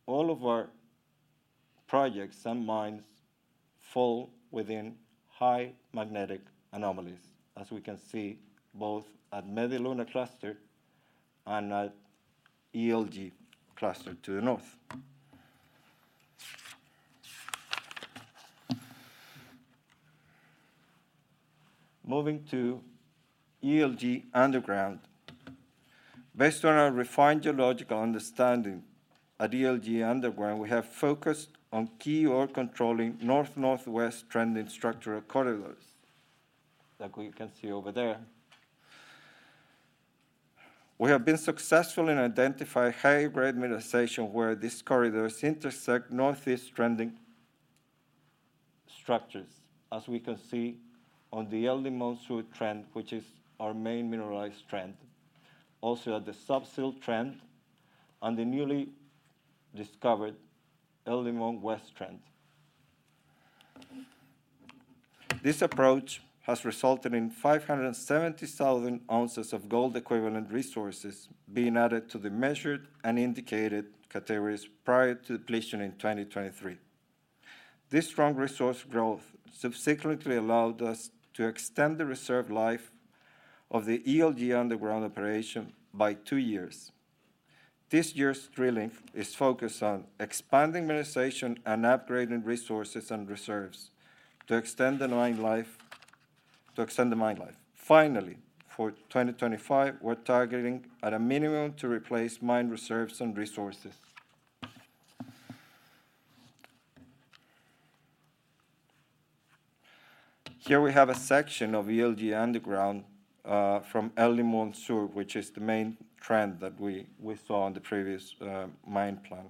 all of our projects and mines fall within high magnetic anomalies, as we can see both at Media Luna cluster and at ELG cluster to the north. Moving to ELG underground. Based on our refined geological understanding at ELG underground, we have focused on key ore-controlling north-northwest trending structural corridors, like we can see over there. We have been successful in identifying high-grade mineralization where these corridors intersect northeast-trending structures, as we can see on the El Limon South trend, which is our main mineralized trend, also at the Sub-Sill trend and the newly discovered El Limon West trend. This approach has resulted in 570,000 ounces of gold-equivalent resources being added to the measured and indicated categories prior to depletion in 2023. This strong resource growth subsequently allowed us to extend the reserve life of the ELG Underground operation by two years. This year's drilling is focused on expanding mineralization and upgrading resources and reserves to extend the mine life, to extend the mine life. Finally, for 2025, we're targeting at a minimum to replace mine reserves and resources. Here we have a section of ELG Underground, from El Limon South, which is the main trend that we saw on the previous, mine plan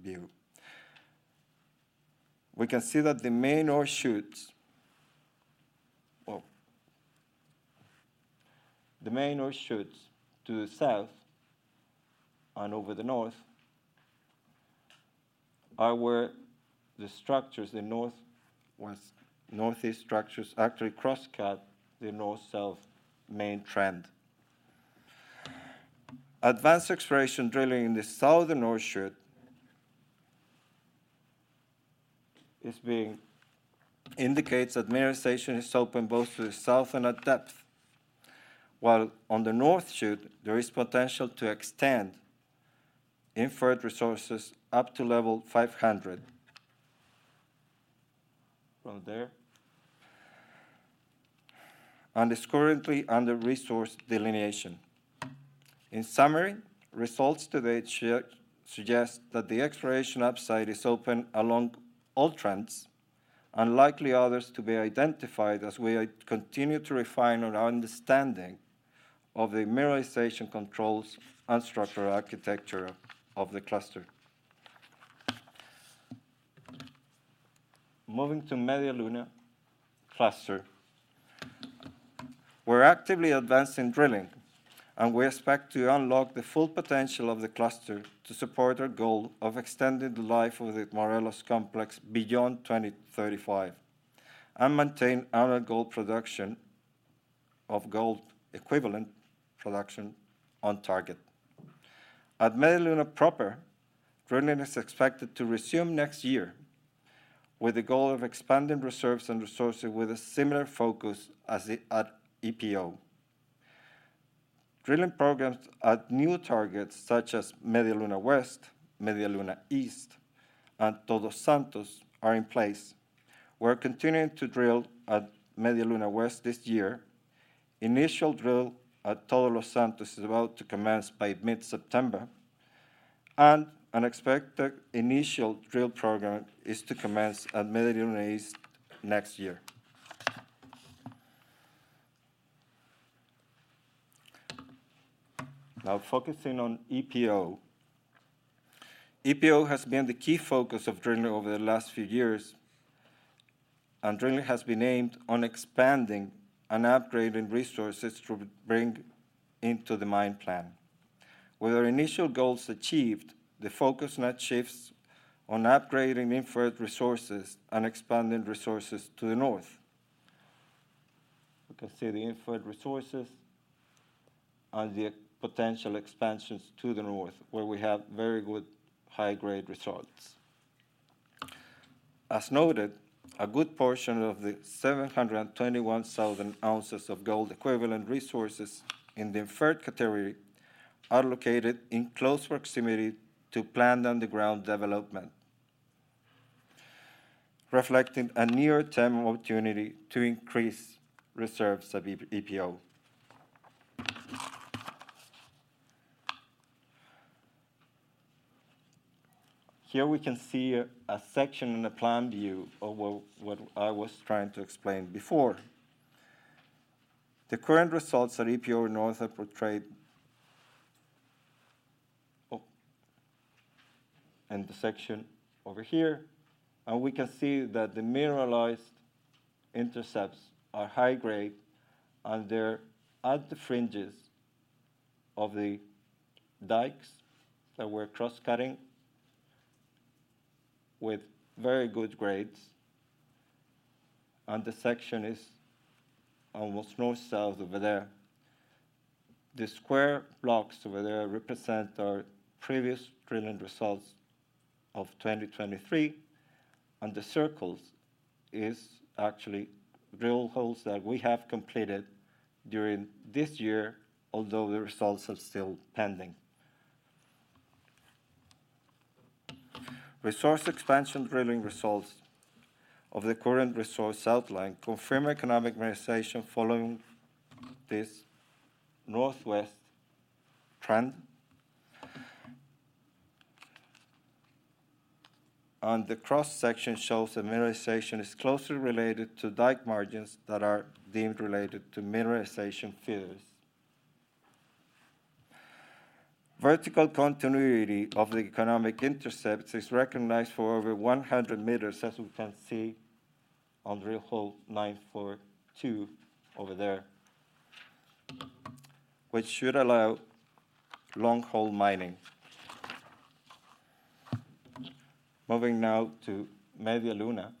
view. We can see that the main ore shoots to the south and over the north, are where the structures, the northwest, northeast structures actually crosscut the north-south main trend. Advanced exploration drilling in the southern North Shoot indicates that mineralization is open both to the south and at depth. While on the North Shoot, there is potential to extend inferred resources up to level 500. From there, and is currently under resource delineation. In summary, results to date suggest that the exploration upside is open along all trends, and likely others to be identified as we continue to refine our understanding of the mineralization controls and structural architecture of the cluster. Moving to Media Luna cluster. We're actively advancing drilling, and we expect to unlock the full potential of the cluster to support our goal of extending the life of the Morelos Complex beyond 2035, and maintain annual gold production of gold equivalent production on target. At Media Luna proper, drilling is expected to resume next year, with the goal of expanding reserves and resources with a similar focus as at EPO. Drilling programs at new targets, such as Media Luna West, Media Luna East, and Todos Santos, are in place. We're continuing to drill at Media Luna West this year. Initial drill at Todos Santos is about to commence by mid-September, and an expected initial drill program is to commence at Media Luna East next year. Now, focusing on EPO. EPO has been the key focus of drilling over the last few years, and drilling has been aimed on expanding and upgrading resources to bring into the mine plan. With our initial goals achieved, the focus now shifts on upgrading inferred resources and expanding resources to the north. We can see the inferred resources and the potential expansions to the north, where we have very good high-grade results. As noted, a good portion of the 721,000 ounces of gold equivalent resources in the inferred category are located in close proximity to planned underground development, reflecting a nearer term opportunity to increase reserves at EPO. Here we can see a section in the plan view of what I was trying to explain before. The current results at EPO North are portrayed... Oh, and the section over here, and we can see that the mineralized intercepts are high grade, and they're at the fringes of the dikes that we're cross-cutting with very good grades, and the section is almost north-south over there. The square blocks over there represent our previous drilling results of 2023, and the circles is actually drill holes that we have completed during this year, although the results are still pending. Resource expansion drilling results of the current resource outline confirm economic mineralization following this northwest trend, and the cross-section shows that mineralization is closely related to dike margins that are deemed related to mineralization fields. Vertical continuity of the economic intercepts is recognized for over 100 meters, as we can see on drill hole 942 over there, which should allow long-hole mining. Moving now to Media Luna,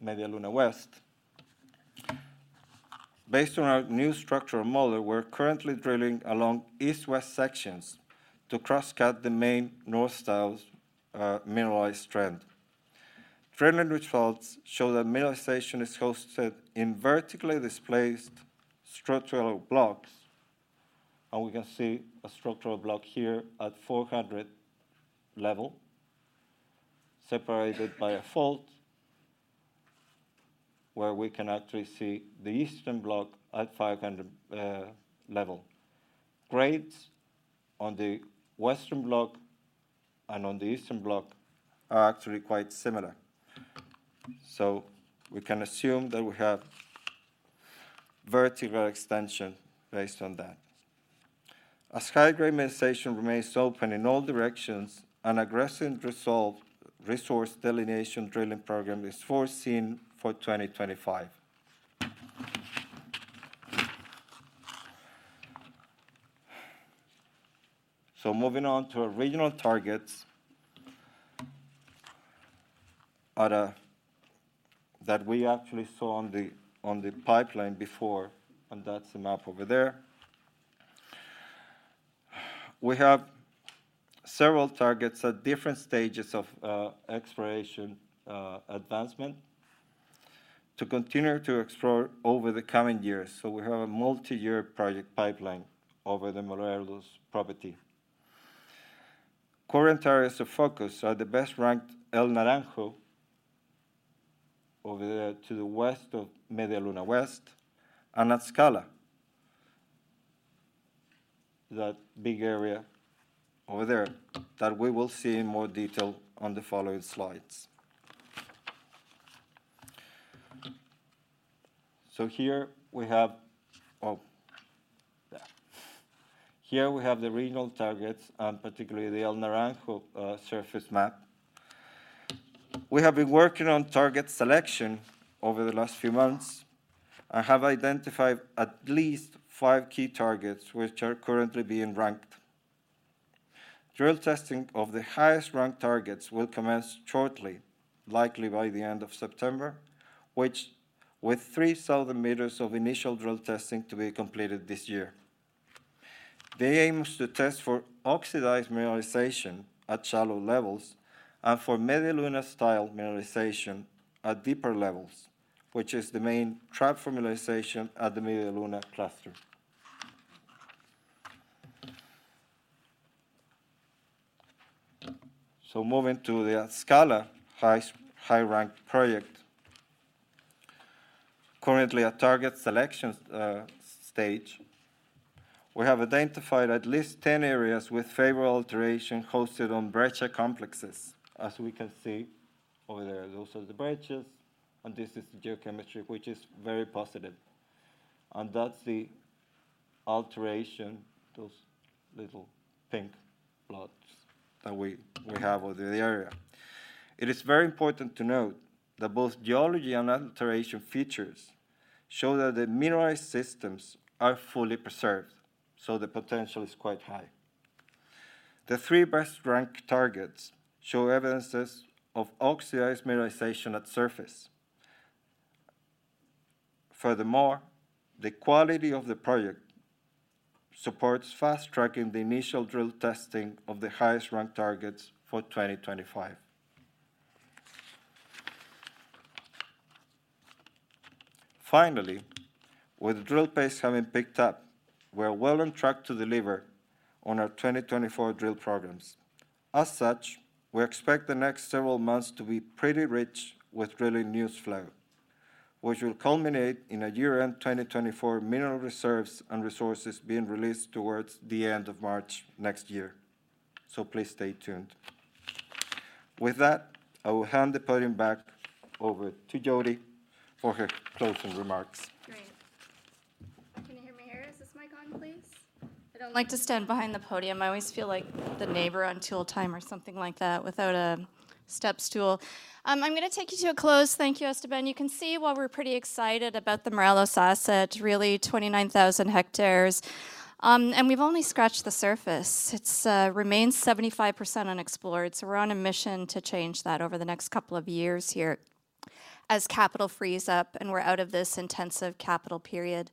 Media Luna West. Based on our new structural model, we're currently drilling along east-west sections to crosscut the main north-south mineralized trend. Drilling results show that mineralization is hosted in vertically displaced structural blocks, and we can see a structural block here at four hundred level, separated by a fault, where we can actually see the eastern block at five hundred level. Grades on the western block and on the eastern block are actually quite similar. So we can assume that we have vertical extension based on that. As high-grade mineralization remains open in all directions, an aggressive resource delineation drilling program is foreseen for 2025. So moving on to our regional targets that we actually saw on the pipeline before, and that's the map over there. We have several targets at different stages of exploration, advancement, to continue to explore over the coming years, so we have a multi-year project pipeline over the Morelos property. Current areas of focus are the best ranked El Naranjo over there to the west of Media Luna West and Atzcala, that big area over there, that we will see in more detail on the following slides, so here we have... Oh, there. Here we have the regional targets, and particularly the El Naranjo, surface map. We have been working on target selection over the last few months, and have identified at least five key targets, which are currently being ranked. Drill testing of the highest ranked targets will commence shortly, likely by the end of September, which with 3,000 meters of initial drill testing to be completed this year. They aim to test for oxidized mineralization at shallow levels and for Media Luna-style mineralization at deeper levels, which is the main trap for mineralization at the Media Luna cluster. Moving to the Atzcala high ranked project. Currently at target selection stage, we have identified at least ten areas with favorable alteration hosted on breccia complexes, as we can see over there. Those are the breccias, and this is the geochemistry, which is very positive. And that's the alteration, those little pink blobs that we have over the area. It is very important to note that both geology and alteration features show that the mineralized systems are fully preserved, so the potential is quite high. The three best ranked targets show evidence of oxidized mineralization at surface. Furthermore, the quality of the project supports fast-tracking the initial drill testing of the highest ranked targets for 2025. Finally, with the drill pace having picked up, we're well on track to deliver on our 2024 drill programs. As such, we expect the next several months to be pretty rich with drilling news flow, which will culminate in a year-end 2024 mineral reserves and resources being released towards the end of March next year. So please stay tuned. With that, I will hand the podium back over to Jody for her closing remarks. Great. Can you hear me here? Is this mic on, please? I don't like to stand behind the podium. I always feel like the neighbor on Tool Time or something like that, without a step stool. I'm gonna take you to a close. Thank you, Esteban. You can see why we're pretty excited about the Morelos asset, really twenty-nine thousand hectares, and we've only scratched the surface. It remains 75% unexplored, so we're on a mission to change that over the next couple of years here as capital frees up and we're out of this intensive capital period.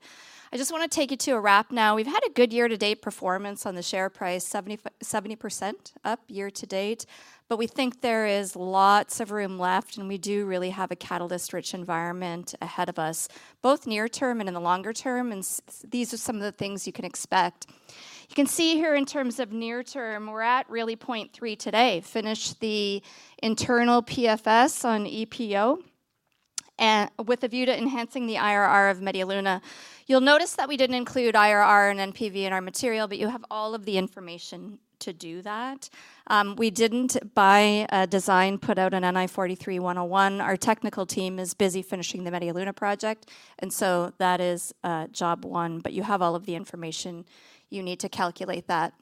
I just wanna take you to a wrap now. We've had a good year-to-date performance on the share price, 70% up year-to-date, but we think there is lots of room left, and we do really have a catalyst-rich environment ahead of us, both near term and in the longer term, and these are some of the things you can expect. You can see here in terms of near term, we're at really point three today, finished the internal PFS on EPO, and with a view to enhancing the IRR of Media Luna. You'll notice that we didn't include IRR and NPV in our material, but you have all of the information to do that. We didn't, by design, put out an NI 43-101. Our technical team is busy finishing the Media Luna project, and so that is job one, but you have all of the information you need to calculate that.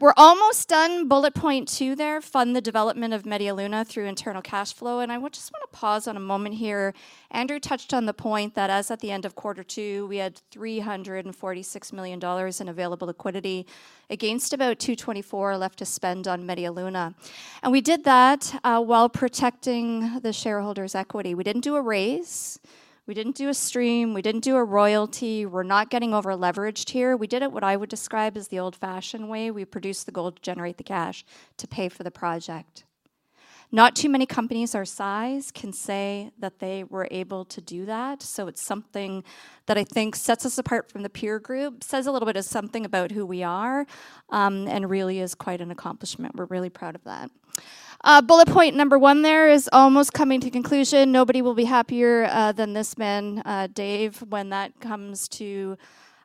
We're almost done bullet point two there, fund the development of Media Luna through internal cash flow, and I just wanna pause for a moment here. Andrew touched on the point that as at the end of quarter two, we had $346 million in available liquidity, against about $224 million left to spend on Media Luna. And we did that while protecting the shareholders' equity. We didn't do a raise, we didn't do a stream, we didn't do a royalty. We're not getting over-leveraged here. We did it what I would describe as the old-fashioned way. We produced the gold to generate the cash to pay for the project. Not too many companies our size can say that they were able to do that, so it's something that I think sets us apart from the peer group, says a little bit of something about who we are, and really is quite an accomplishment. We're really proud of that. Bullet point number one there is almost coming to conclusion. Nobody will be happier than this man, Dave, when that comes to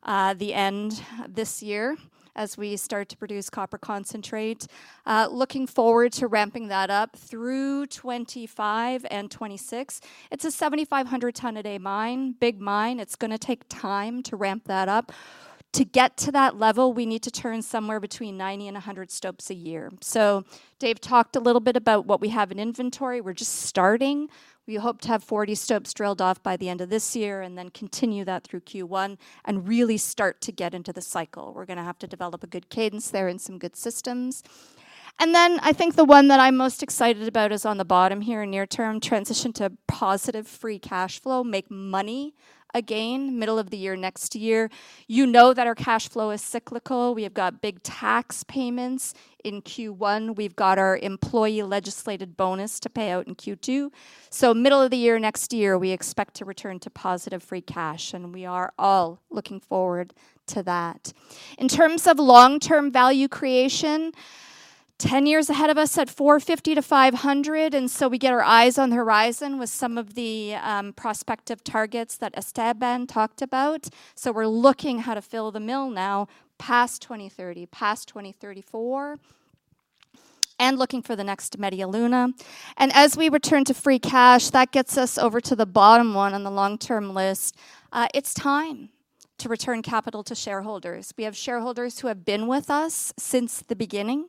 the end this year, as we start to produce copper concentrate. Looking forward to ramping that up through 2025 and 2026. It's a 7,500 ton a day mine, big mine. It's gonna take time to ramp that up. To get to that level, we need to turn somewhere between 90 and 100 stopes a year. So Dave talked a little bit about what we have in inventory. We're just starting. We hope to have forty stopes drilled off by the end of this year, and then continue that through Q1, and really start to get into the cycle. We're gonna have to develop a good cadence there and some good systems, and then I think the one that I'm most excited about is on the bottom here, in near term, transition to positive free cash flow, make money again, middle of the year next year. You know that our cash flow is cyclical. We have got big tax payments in Q1. We've got our employee legislated bonus to pay out in Q2, so middle of the year next year, we expect to return to positive free cash, and we are all looking forward to that. In terms of long-term value creation,10 years ahead of us at 450-500, and so we get our eyes on the horizon with some of the, prospective targets that Esteban talked about. So we're looking how to fill the mill now, past 2030, past 2034, and looking for the next Media Luna. And as we return to free cash, that gets us over to the bottom one on the long-term list. It's time to return capital to shareholders. We have shareholders who have been with us since the beginning.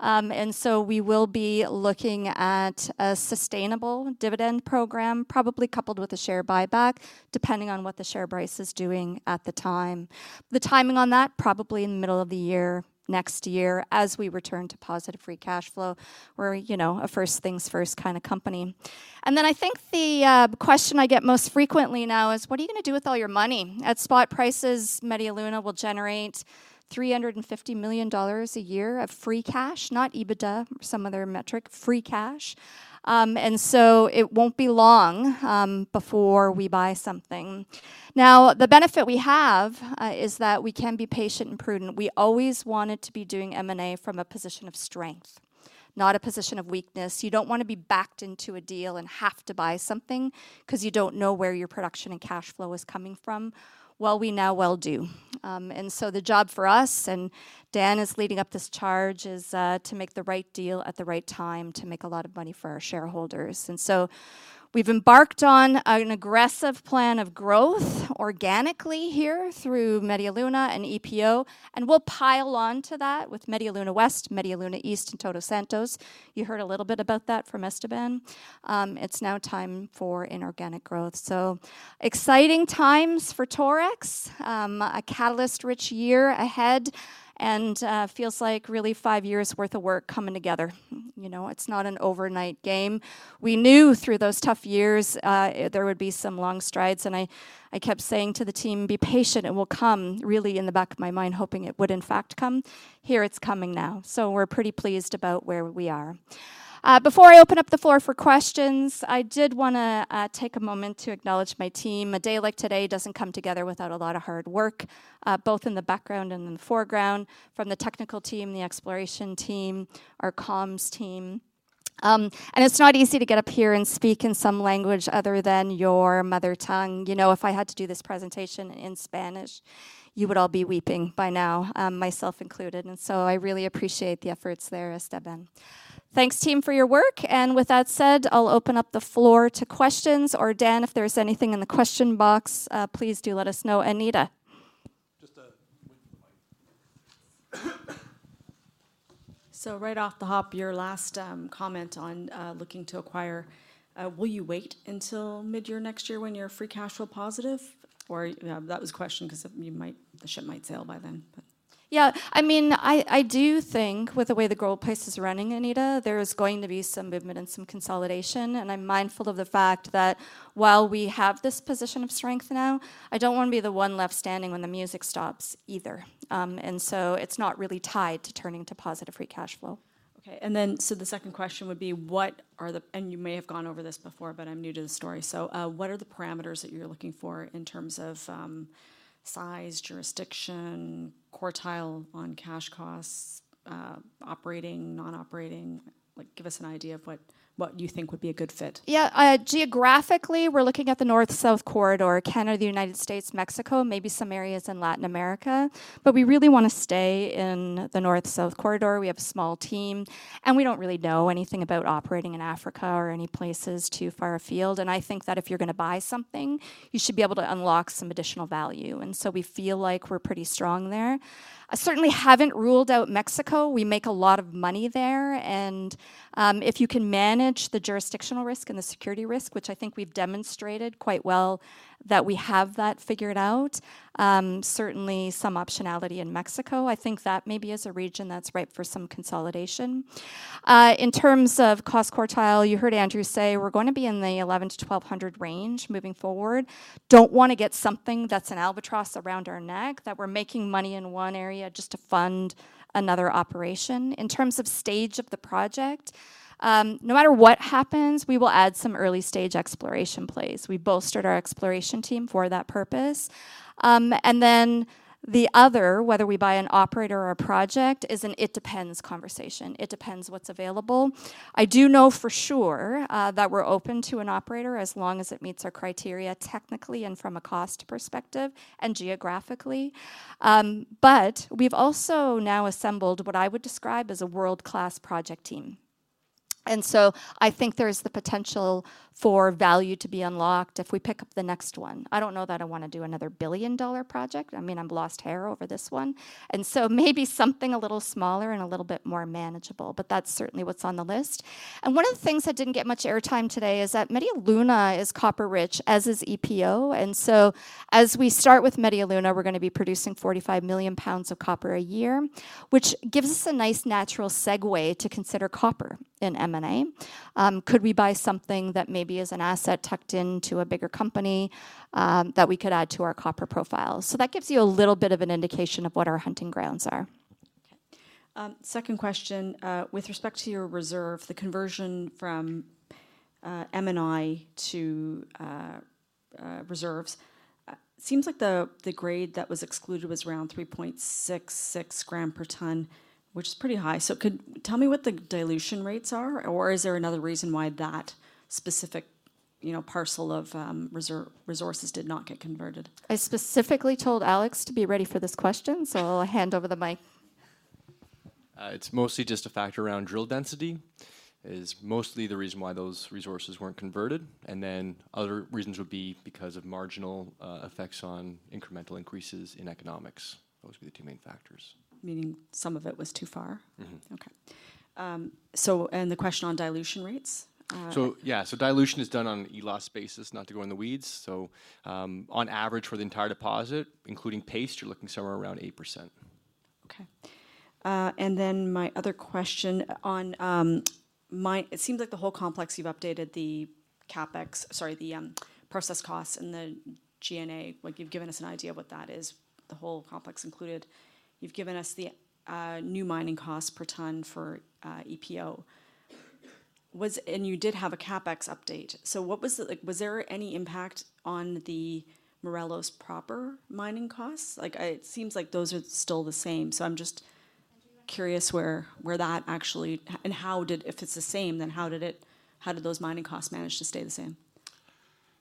And so we will be looking at a sustainable dividend program, probably coupled with a share buyback, depending on what the share price is doing at the time. The timing on that, probably in the middle of the year, next year, as we return to positive free cash flow. We're, you know, a first things first kind of company. Then I think the question I get most frequently now is: What are you gonna do with all your money? At spot prices, Media Luna will generate $350 million a year of free cash, not EBITDA or some other metric, free cash. And so it won't be long before we buy something. Now, the benefit we have is that we can be patient and prudent. We always wanted to be doing M&A from a position of strength, not a position of weakness. You don't wanna be backed into a deal and have to buy something 'cause you don't know where your production and cash flow is coming from. We now know we do. And so the job for us, and Dan is leading up this charge, is to make the right deal at the right time to make a lot of money for our shareholders. And so we've embarked on an aggressive plan of growth organically here through Media Luna and EPO, and we'll pile on to that with Media Luna West, Media Luna East, and Todos Santos. You heard a little bit about that from Esteban. It's now time for inorganic growth. So exciting times for Torex, a catalyst-rich year ahead, and feels like really five years worth of work coming together. You know, it's not an overnight game. We knew through those tough years, there would be some long strides, and I kept saying to the team, "Be patient, it will come," really in the back of my mind, hoping it would, in fact, come. Here, it's coming now. So we're pretty pleased about where we are. Before I open up the floor for questions, I did wanna take a moment to acknowledge my team. A day like today doesn't come together without a lot of hard work, both in the background and in the foreground, from the technical team, the exploration team, our comms team, and it's not easy to get up here and speak in some language other than your mother tongue. You know, if I had to do this presentation in Spanish, you would all be weeping by now, myself included, and so I really appreciate the efforts there, Esteban. Thanks, team, for your work, and with that said, I'll open up the floor to questions, or Dan, if there's anything in the question box, please do let us know. Anita? Just wait for the mic. So right off the hop, your last comment on looking to acquire, will you wait until midyear next year when you're free cash flow positive? Or, that was a question 'cause the ship might sail by then, but... Yeah, I mean, I do think with the way the gold price is running, Anita, there is going to be some movement and some consolidation, and I'm mindful of the fact that while we have this position of strength now, I don't wanna be the one left standing when the music stops either. And so it's not really tied to turning to positive free cash flow. Okay, and then, so the second question would be: What are the... And you may have gone over this before, but I'm new to the story. So, what are the parameters that you're looking for in terms of, size, jurisdiction, quartile on cash costs, operating, non-operating? Like, give us an idea of what you think would be a good fit. Yeah, geographically, we're looking at the North-South corridor, Canada, United States, Mexico, maybe some areas in Latin America, but we really wanna stay in the North-South corridor. We have a small team, and we don't really know anything about operating in Africa or any places too far afield. And I think that if you're gonna buy something, you should be able to unlock some additional value, and so we feel like we're pretty strong there. I certainly haven't ruled out Mexico. We make a lot of money there, and if you can manage the jurisdictional risk and the security risk, which I think we've demonstrated quite well, that we have that figured out, certainly some optionality in Mexico. I think that maybe is a region that's ripe for some consolidation. In terms of cost quartile, you heard Andrew say we're gonna be in the $1,100-$1,200 range moving forward. Don't wanna get something that's an albatross around our neck, that we're making money in one area just to fund another operation. In terms of stage of the project, no matter what happens, we will add some early-stage exploration plays. We bolstered our exploration team for that purpose, and then the other, whether we buy an operator or a project, is an "it depends" conversation. It depends what's available. I do know for sure that we're open to an operator as long as it meets our criteria technically and from a cost perspective and geographically. But we've also now assembled what I would describe as a world-class project team, and so I think there is the potential for value to be unlocked if we pick up the next one. I don't know that I wanna do another billion-dollar project. I mean, I've lost hair over this one, and so maybe something a little smaller and a little bit more manageable, but that's certainly what's on the list. And one of the things that didn't get much airtime today is that Media Luna is copper-rich, as is EPO, and so as we start with Media Luna, we're gonna be producing 45 million pounds of copper a year, which gives us a nice, natural segue to consider copper in M&A. Could we buy something that maybe is an asset tucked into a bigger company, that we could add to our copper profile? So that gives you a little bit of an indication of what our hunting grounds are.... Second question, with respect to your reserve, the conversion from M&I to reserves seems like the grade that was excluded was around three point six six gram per ton, which is pretty high. So could tell me what the dilution rates are, or is there another reason why that specific, you know, parcel of reserve resources did not get converted? I specifically told Alex to be ready for this question, so I'll hand over the mic. It's mostly just a factor around drill density, is mostly the reason why those resources weren't converted. And then other reasons would be because of marginal effects on incremental increases in economics. Those would be the two main factors. Meaning some of it was too far? Mm-hmm. Okay. So and the question on dilution rates. So yeah, so dilution is done on an ELG basis, not to go in the weeds. So, on average for the entire deposit, including paste, you're looking somewhere around 8%. Okay. And then my other question on my. It seems like the whole complex, you've updated the CapEx, sorry, the process costs and the G&A, like you've given us an idea of what that is, the whole complex included. You've given us the new mining costs per ton for EPO. And you did have a CapEx update. So what was the. Like, was there any impact on the Morelos proper mining costs? Like, it seems like those are still the same. So I'm just curious where that actually and how did. If it's the same, then how did it, how did those mining costs manage to stay the same?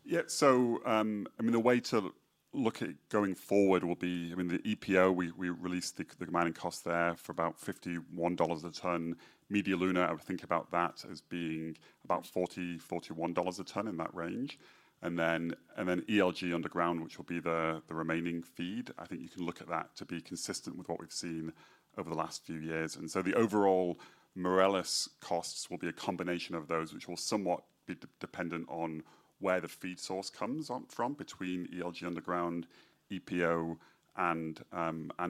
Yeah. So, I mean, the way to look at it going forward will be, I mean, the EPO, we released the mining cost there for about $51 a ton. Media Luna, I would think about that as being about $40-$41 a ton, in that range. And then ELG Underground, which will be the remaining feed, I think you can look at that to be consistent with what we've seen over the last few years. And so the overall Morelos costs will be a combination of those, which will somewhat be dependent on where the feed source comes on from, between ELG Underground, EPO, and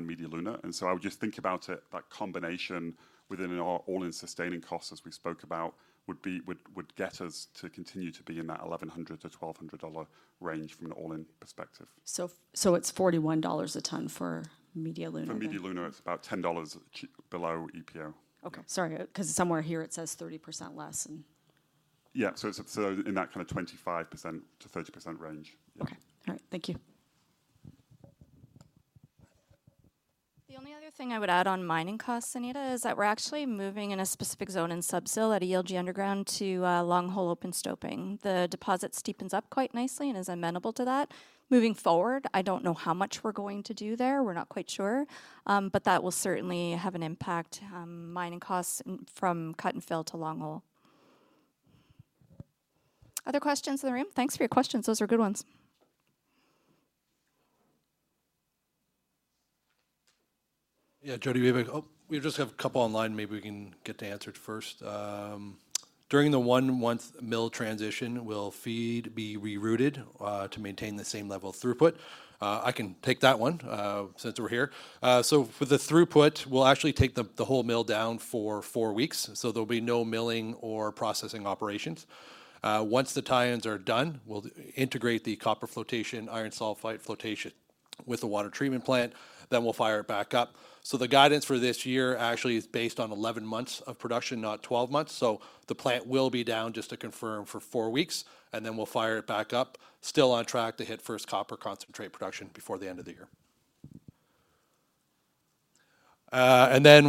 Media Luna. I would just think about it, that combination within all-in sustaining costs, as we spoke about, would get us to continue to be in that $1,100-$1,200 dollar range from an all-in perspective. It's $41 a ton for Media Luna? For Media Luna, it's about $10 below EPO. Okay, sorry, 'cause somewhere here it says 30% less, and- Yeah, so it's, so in that kinda 25%-30% range. Yeah. Okay. All right. Thank you. The only other thing I would add on mining costs, Anita, is that we're actually moving in a specific zone in Sub-Sill at ELG Underground to long-hole open stoping. The deposit steepens up quite nicely and is amenable to that. Moving forward, I don't know how much we're going to do there, we're not quite sure, but that will certainly have an impact on mining costs from cut and fill to long hole. Other questions in the room? Thanks for your questions. Those are good ones. Yeah, Jody, we have... Oh, we just have a couple online, maybe we can get to answer them first. During the one-month mill transition, will feed be rerouted to maintain the same level of throughput? I can take that one, since we're here. So for the throughput, we'll actually take the whole mill down for four weeks, so there'll be no milling or processing operations. Once the tie-ins are done, we'll integrate the copper flotation, iron sulfide flotation with the water treatment plant, then we'll fire it back up. So the guidance for this year actually is based on eleven months of production, not twelve months. So the plant will be down, just to confirm, for four weeks, and then we'll fire it back up. Still on track to hit first copper concentrate production before the end of the year.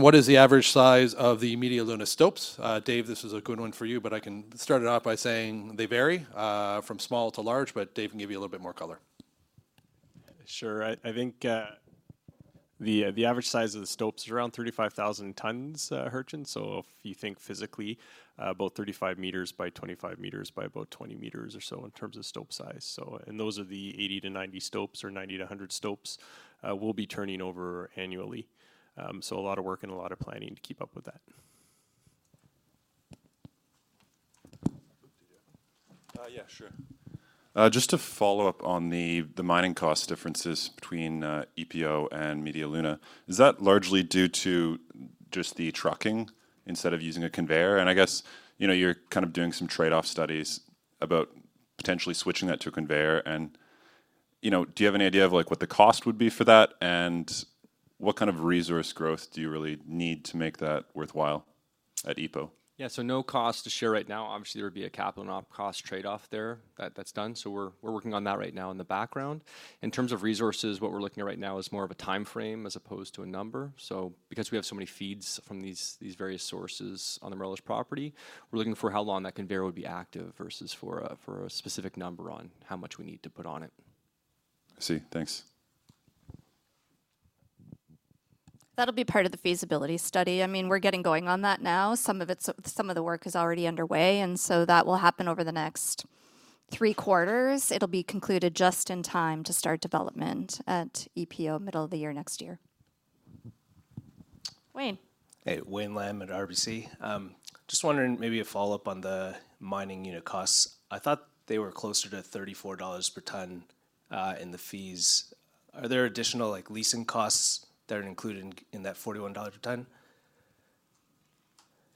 What is the average size of the Media Luna stopes? Dave, this is a good one for you, but I can start it off by saying they vary from small to large, but Dave can give you a little bit more color. Sure. I think the average size of the stopes is around 35,000 tons, Hergen. If you think physically about 35 m by 25 m by about 20 m or so in terms of stope size, and those are the 80-90 stopes or 90-100 stopes we'll be turning over annually. A lot of work and a lot of planning to keep up with that. Yeah, sure. Just to follow up on the mining cost differences between EPO and Media Luna, is that largely due to just the trucking instead of using a conveyor? And I guess, you know, you're kind of doing some trade-off studies about potentially switching that to a conveyor and, you know, do you have any idea of, like, what the cost would be for that, and what kind of resource growth do you really need to make that worthwhile at EPO? Yeah, so no cost to share right now. Obviously, there would be a capital and op cost trade-off there. That- that's done, so we're, we're working on that right now in the background. In terms of resources, what we're looking at right now is more of a timeframe as opposed to a number. So because we have so many feeds from these, these various sources on the Morelos property, we're looking for how long that conveyor would be active versus for a, for a specific number on how much we need to put on it. I see. Thanks. That'll be part of the feasibility study. I mean, we're getting going on that now. Some of it's, some of the work is already underway, and so that will happen over the next three quarters. It'll be concluded just in time to start development at EPO, middle of th``e year next year. Wayne? Hey, Wayne Lam at RBC. Just wondering, maybe a follow-up on the mining unit costs. I thought they were closer to $34 per ton in the fees. Are there additional, like, leasing costs that are included in that $41 per ton?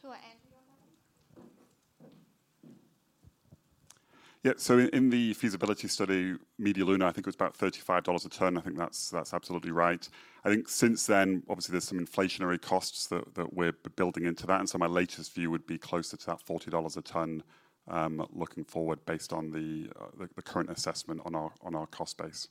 To anyone?... Yeah, so in the feasibility study, Media Luna, I think it was about $35 a ton. I think that's absolutely right. I think since then, obviously, there's some inflationary costs that we're building into that, and so my latest view would be closer to that $40 a ton, looking forward, based on the current assessment on our cost base.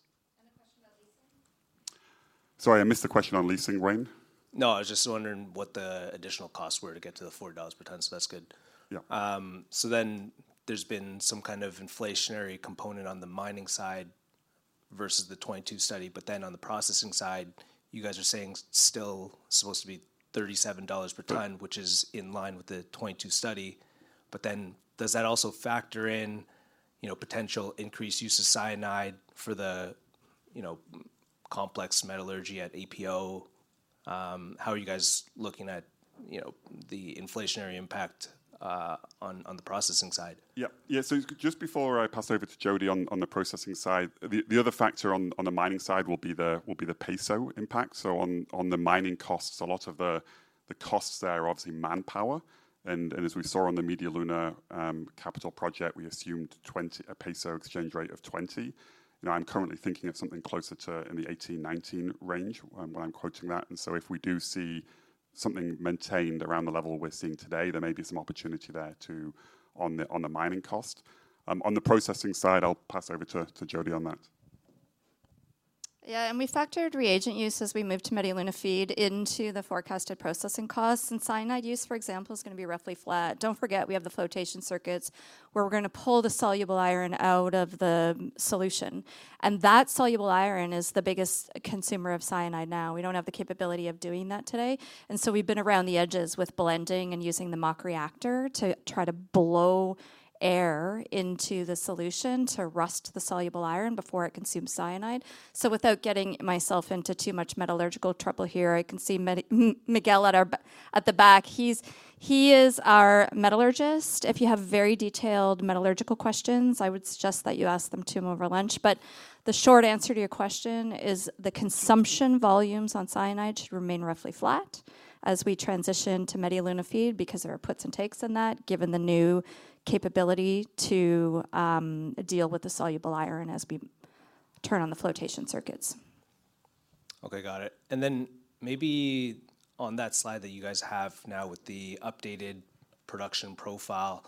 A question about leasing? Sorry, I missed the question on leasing, Wayne. No, I was just wondering what the additional costs were to get to the $40 per ton, so that's good. Yeah. So then there's been some kind of inflationary component on the mining side versus the 2022 study, but then on the processing side, you guys are saying it's still supposed to be $37 per ton, which is in line with the 2022 study. But then does that also factor in, you know, potential increased use of cyanide for the, you know, complex metallurgy at EPO? How are you guys looking at, you know, the inflationary impact on the processing side? Yeah. Yeah, so just before I pass over to Jody on the processing side, the other factor on the mining side will be the peso impact. So on the mining costs, a lot of the costs there are obviously manpower, and as we saw on the Media Luna capital project, we assumed a peso exchange rate of 20. You know, I'm currently thinking of something closer to in the 18-19 range, when I'm quoting that, and so if we do see something maintained around the level we're seeing today, there may be some opportunity there to on the mining cost. On the processing side, I'll pass over to Jody on that. Yeah, and we factored reagent use as we moved to Media Luna feed into the forecasted processing costs, and cyanide use, for example, is gonna be roughly flat. Don't forget, we have the flotation circuits, where we're gonna pull the soluble iron out of the solution, and that soluble iron is the biggest consumer of cyanide now. We don't have the capability of doing that today, and so we've been around the edges with blending and using the mock reactor to try to blow air into the solution to rust the soluble iron before it consumes cyanide. So without getting myself into too much metallurgical trouble here, I can see Miguel at the back. He is our metallurgist. If you have very detailed metallurgical questions, I would suggest that you ask them to him over lunch. But the short answer to your question is the consumption volumes on cyanide should remain roughly flat as we transition to Media Luna feed because there are puts and takes in that, given the new capability to deal with the soluble iron as we turn on the flotation circuits. Okay, got it. And then maybe on that slide that you guys have now with the updated production profile,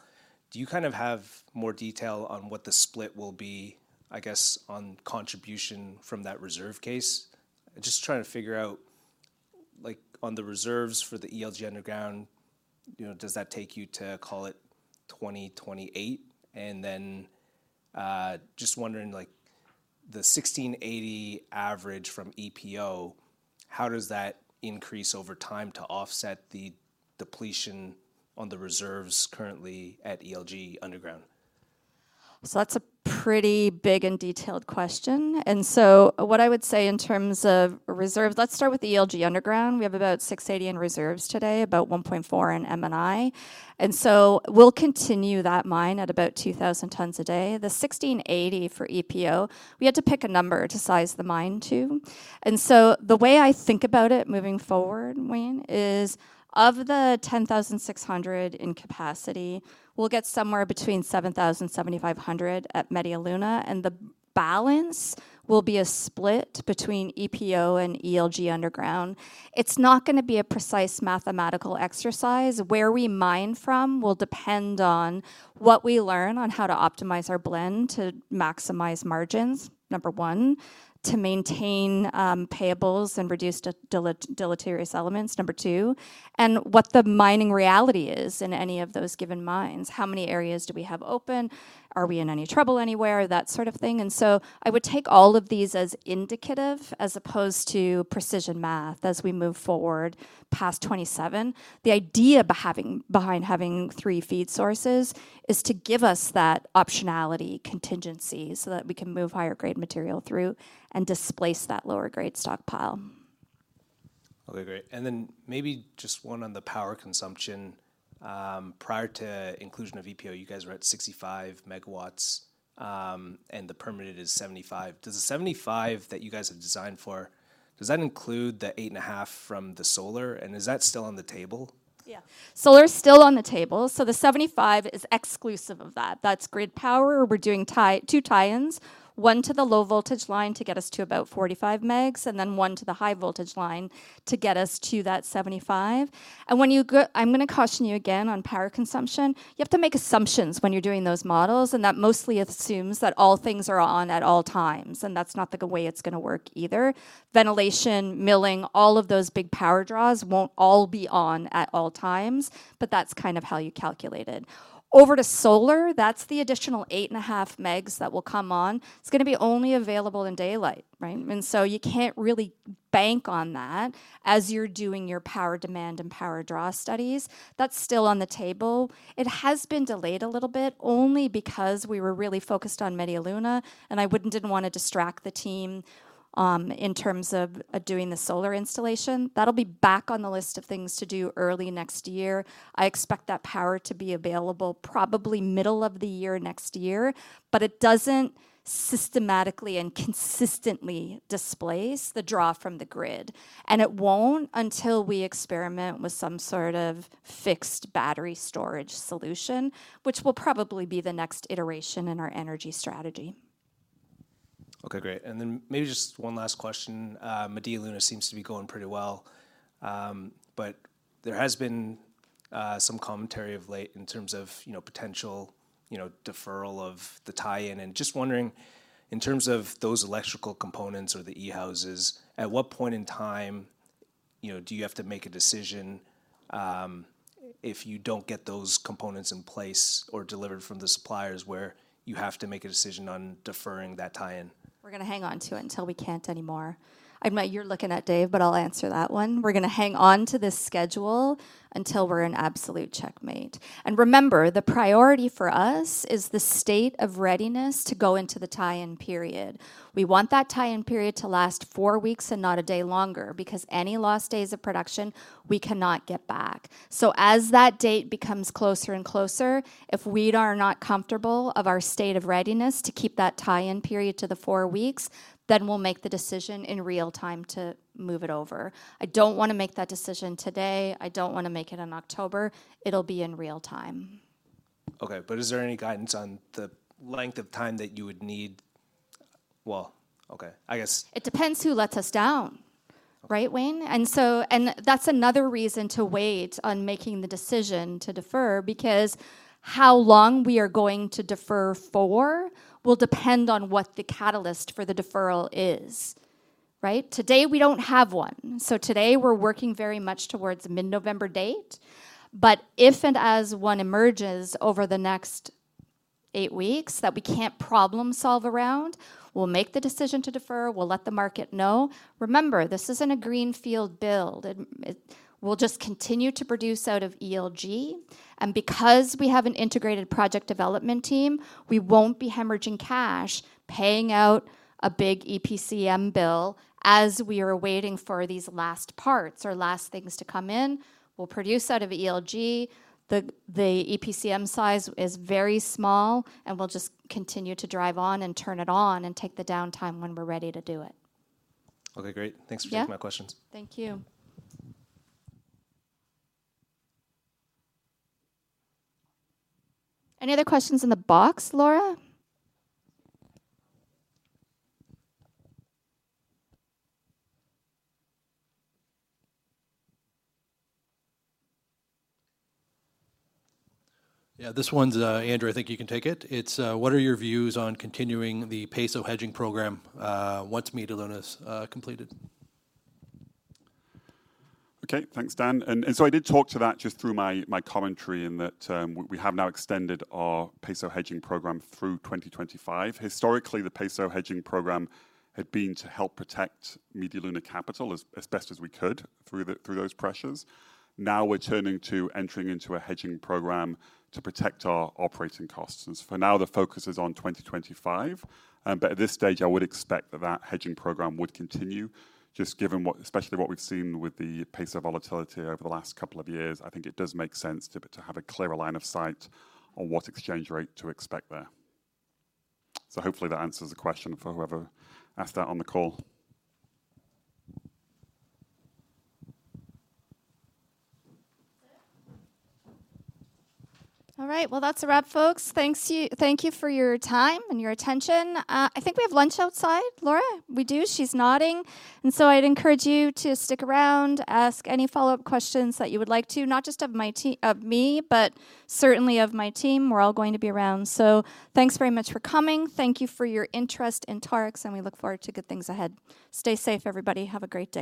do you kind of have more detail on what the split will be, I guess, on contribution from that reserve case? Just trying to figure out, like, on the reserves for the ELG Underground, you know, does that take you to, call it, 2028? And then, just wondering, like, the 1,680 average from EPO, how does that increase over time to offset the depletion on the reserves currently at ELG Underground? That's a pretty big and detailed question, and so what I would say in terms of reserves, let's start with the ELG Underground. We have about 680 in reserves today, about 1.4 in M&I, and so we'll continue that mine at about 2,000 tons a day. The 1,680 for EPO, we had to pick a number to size the mine to, and so the way I think about it moving forward, Wayne, is of the 10,600 in capacity, we'll get somewhere between 7,000-7,500 at Media Luna, and the balance will be a split between EPO and ELG Underground. It's not gonna be a precise mathematical exercise. Where we mine from will depend on what we learn on how to optimize our blend to maximize margins, number one, to maintain payables and reduce deleterious elements, number two, and what the mining reality is in any of those given mines. How many areas do we have open? Are we in any trouble anywhere? That sort of thing, and so I would take all of these as indicative, as opposed to precision math, as we move forward past 2027. The idea behind having three feed sources is to give us that optionality contingency, so that we can move higher grade material through and displace that lower grade stockpile. Okay, great. And then maybe just one on the power consumption. Prior to inclusion of EPO, you guys were at 65 MW, and the permitted is 75 MW. Does the 75 that you guys have designed for, does that include the 8.5 from the solar, and is that still on the table? Yeah. Solar is still on the table, so the seventy-five is exclusive of that. That's grid power. We're doing two tie-ins, one to the low-voltage line to get us to about 45 MW, and then one to the high-voltage line to get us to that 75 MW. And when you go, I'm gonna caution you again on power consumption. You have to make assumptions when you're doing those models, and that mostly assumes that all things are on at all times, and that's not the way it's gonna work either. Ventilation, milling, all of those big power draws won't all be on at all times, but that's kind of how you calculate it. Over to solar, that's the additional eight and a half megs that will come on. It's gonna be only available in daylight, right? And so you can't really bank on that as you're doing your power demand and power draw studies. That's still on the table. It has been delayed a little bit, only because we were really focused on Media Luna, and I didn't wanna distract the team in terms of doing the solar installation. That'll be back on the list of things to do early next year. I expect that power to be available probably middle of the year, next year, but it doesn't systematically and consistently displays the draw from the grid, and it won't until we experiment with some sort of fixed battery storage solution, which will probably be the next iteration in our energy strategy. Okay, great. And then maybe just one last question. Media Luna seems to be going pretty well, but there has been some commentary of late in terms of, you know, potential, you know, deferral of the tie-in. And just wondering, in terms of those electrical components or the E-houses, at what point in time, you know, do you have to make a decision, if you don't get those components in place or delivered from the suppliers, where you have to make a decision on deferring that tie-in? We're gonna hang on to it until we can't anymore. You're looking at Dave, but I'll answer that one. We're gonna hang on to this schedule until we're in absolute checkmate, and remember, the priority for us is the state of readiness to go into the tie-in period. We want that tie-in period to last four weeks and not a day longer, because any lost days of production, we cannot get back, so as that date becomes closer and closer, if we are not comfortable of our state of readiness to keep that tie-in period to the four weeks, then we'll make the decision in real time to move it over. I don't wanna make that decision today. I don't wanna make it in October. It'll be in real time. Okay, but is there any guidance on the length of time that you would need? Well, okay, I guess. It depends who lets us down, right, Wayne? And so, and that's another reason to wait on making the decision to defer, because how long we are going to defer for will depend on what the catalyst for the deferral is, right? Today, we don't have one, so today we're working very much towards a mid-November date. But if and as one emerges over the next eight weeks that we can't problem-solve around, we'll make the decision to defer. We'll let the market know. Remember, this isn't a greenfield build, and it... We'll just continue to produce out of ELG, and because we have an integrated project development team, we won't be hemorrhaging cash, paying out a big EPCM bill as we are waiting for these last parts or last things to come in. We'll produce out of ELG. The EPCM size is very small, and we'll just continue to drive on and turn it on and take the downtime when we're ready to do it. Okay, great. Yeah. Thanks for taking my questions. Thank you. Any other questions in the box, Laura? Yeah, this one's, Andrew. I think you can take it. It's, what are your views on continuing the peso hedging program, once Media Luna is, completed? Okay, thanks, Dan. And so I did talk to that just through my commentary in that, we have now extended our peso hedging program through 2025. Historically, the peso hedging program had been to help protect Media Luna capital as best as we could through those pressures. Now we're turning to entering into a hedging program to protect our operating costs, and for now, the focus is on 2025. But at this stage, I would expect that that hedging program would continue, just given what, especially what we've seen with the peso volatility over the last couple of years. I think it does make sense to have a clearer line of sight on what exchange rate to expect there. So hopefully that answers the question for whoever asked that on the call. All right. Well, that's a wrap, folks. Thank you for your time and your attention. I think we have lunch outside, Laura? We do. She's nodding, and so I'd encourage you to stick around, ask any follow-up questions that you would like to, not just of me, but certainly of my team. We're all going to be around. So thanks very much for coming. Thank you for your interest in Torex, and we look forward to good things ahead. Stay safe, everybody. Have a great day.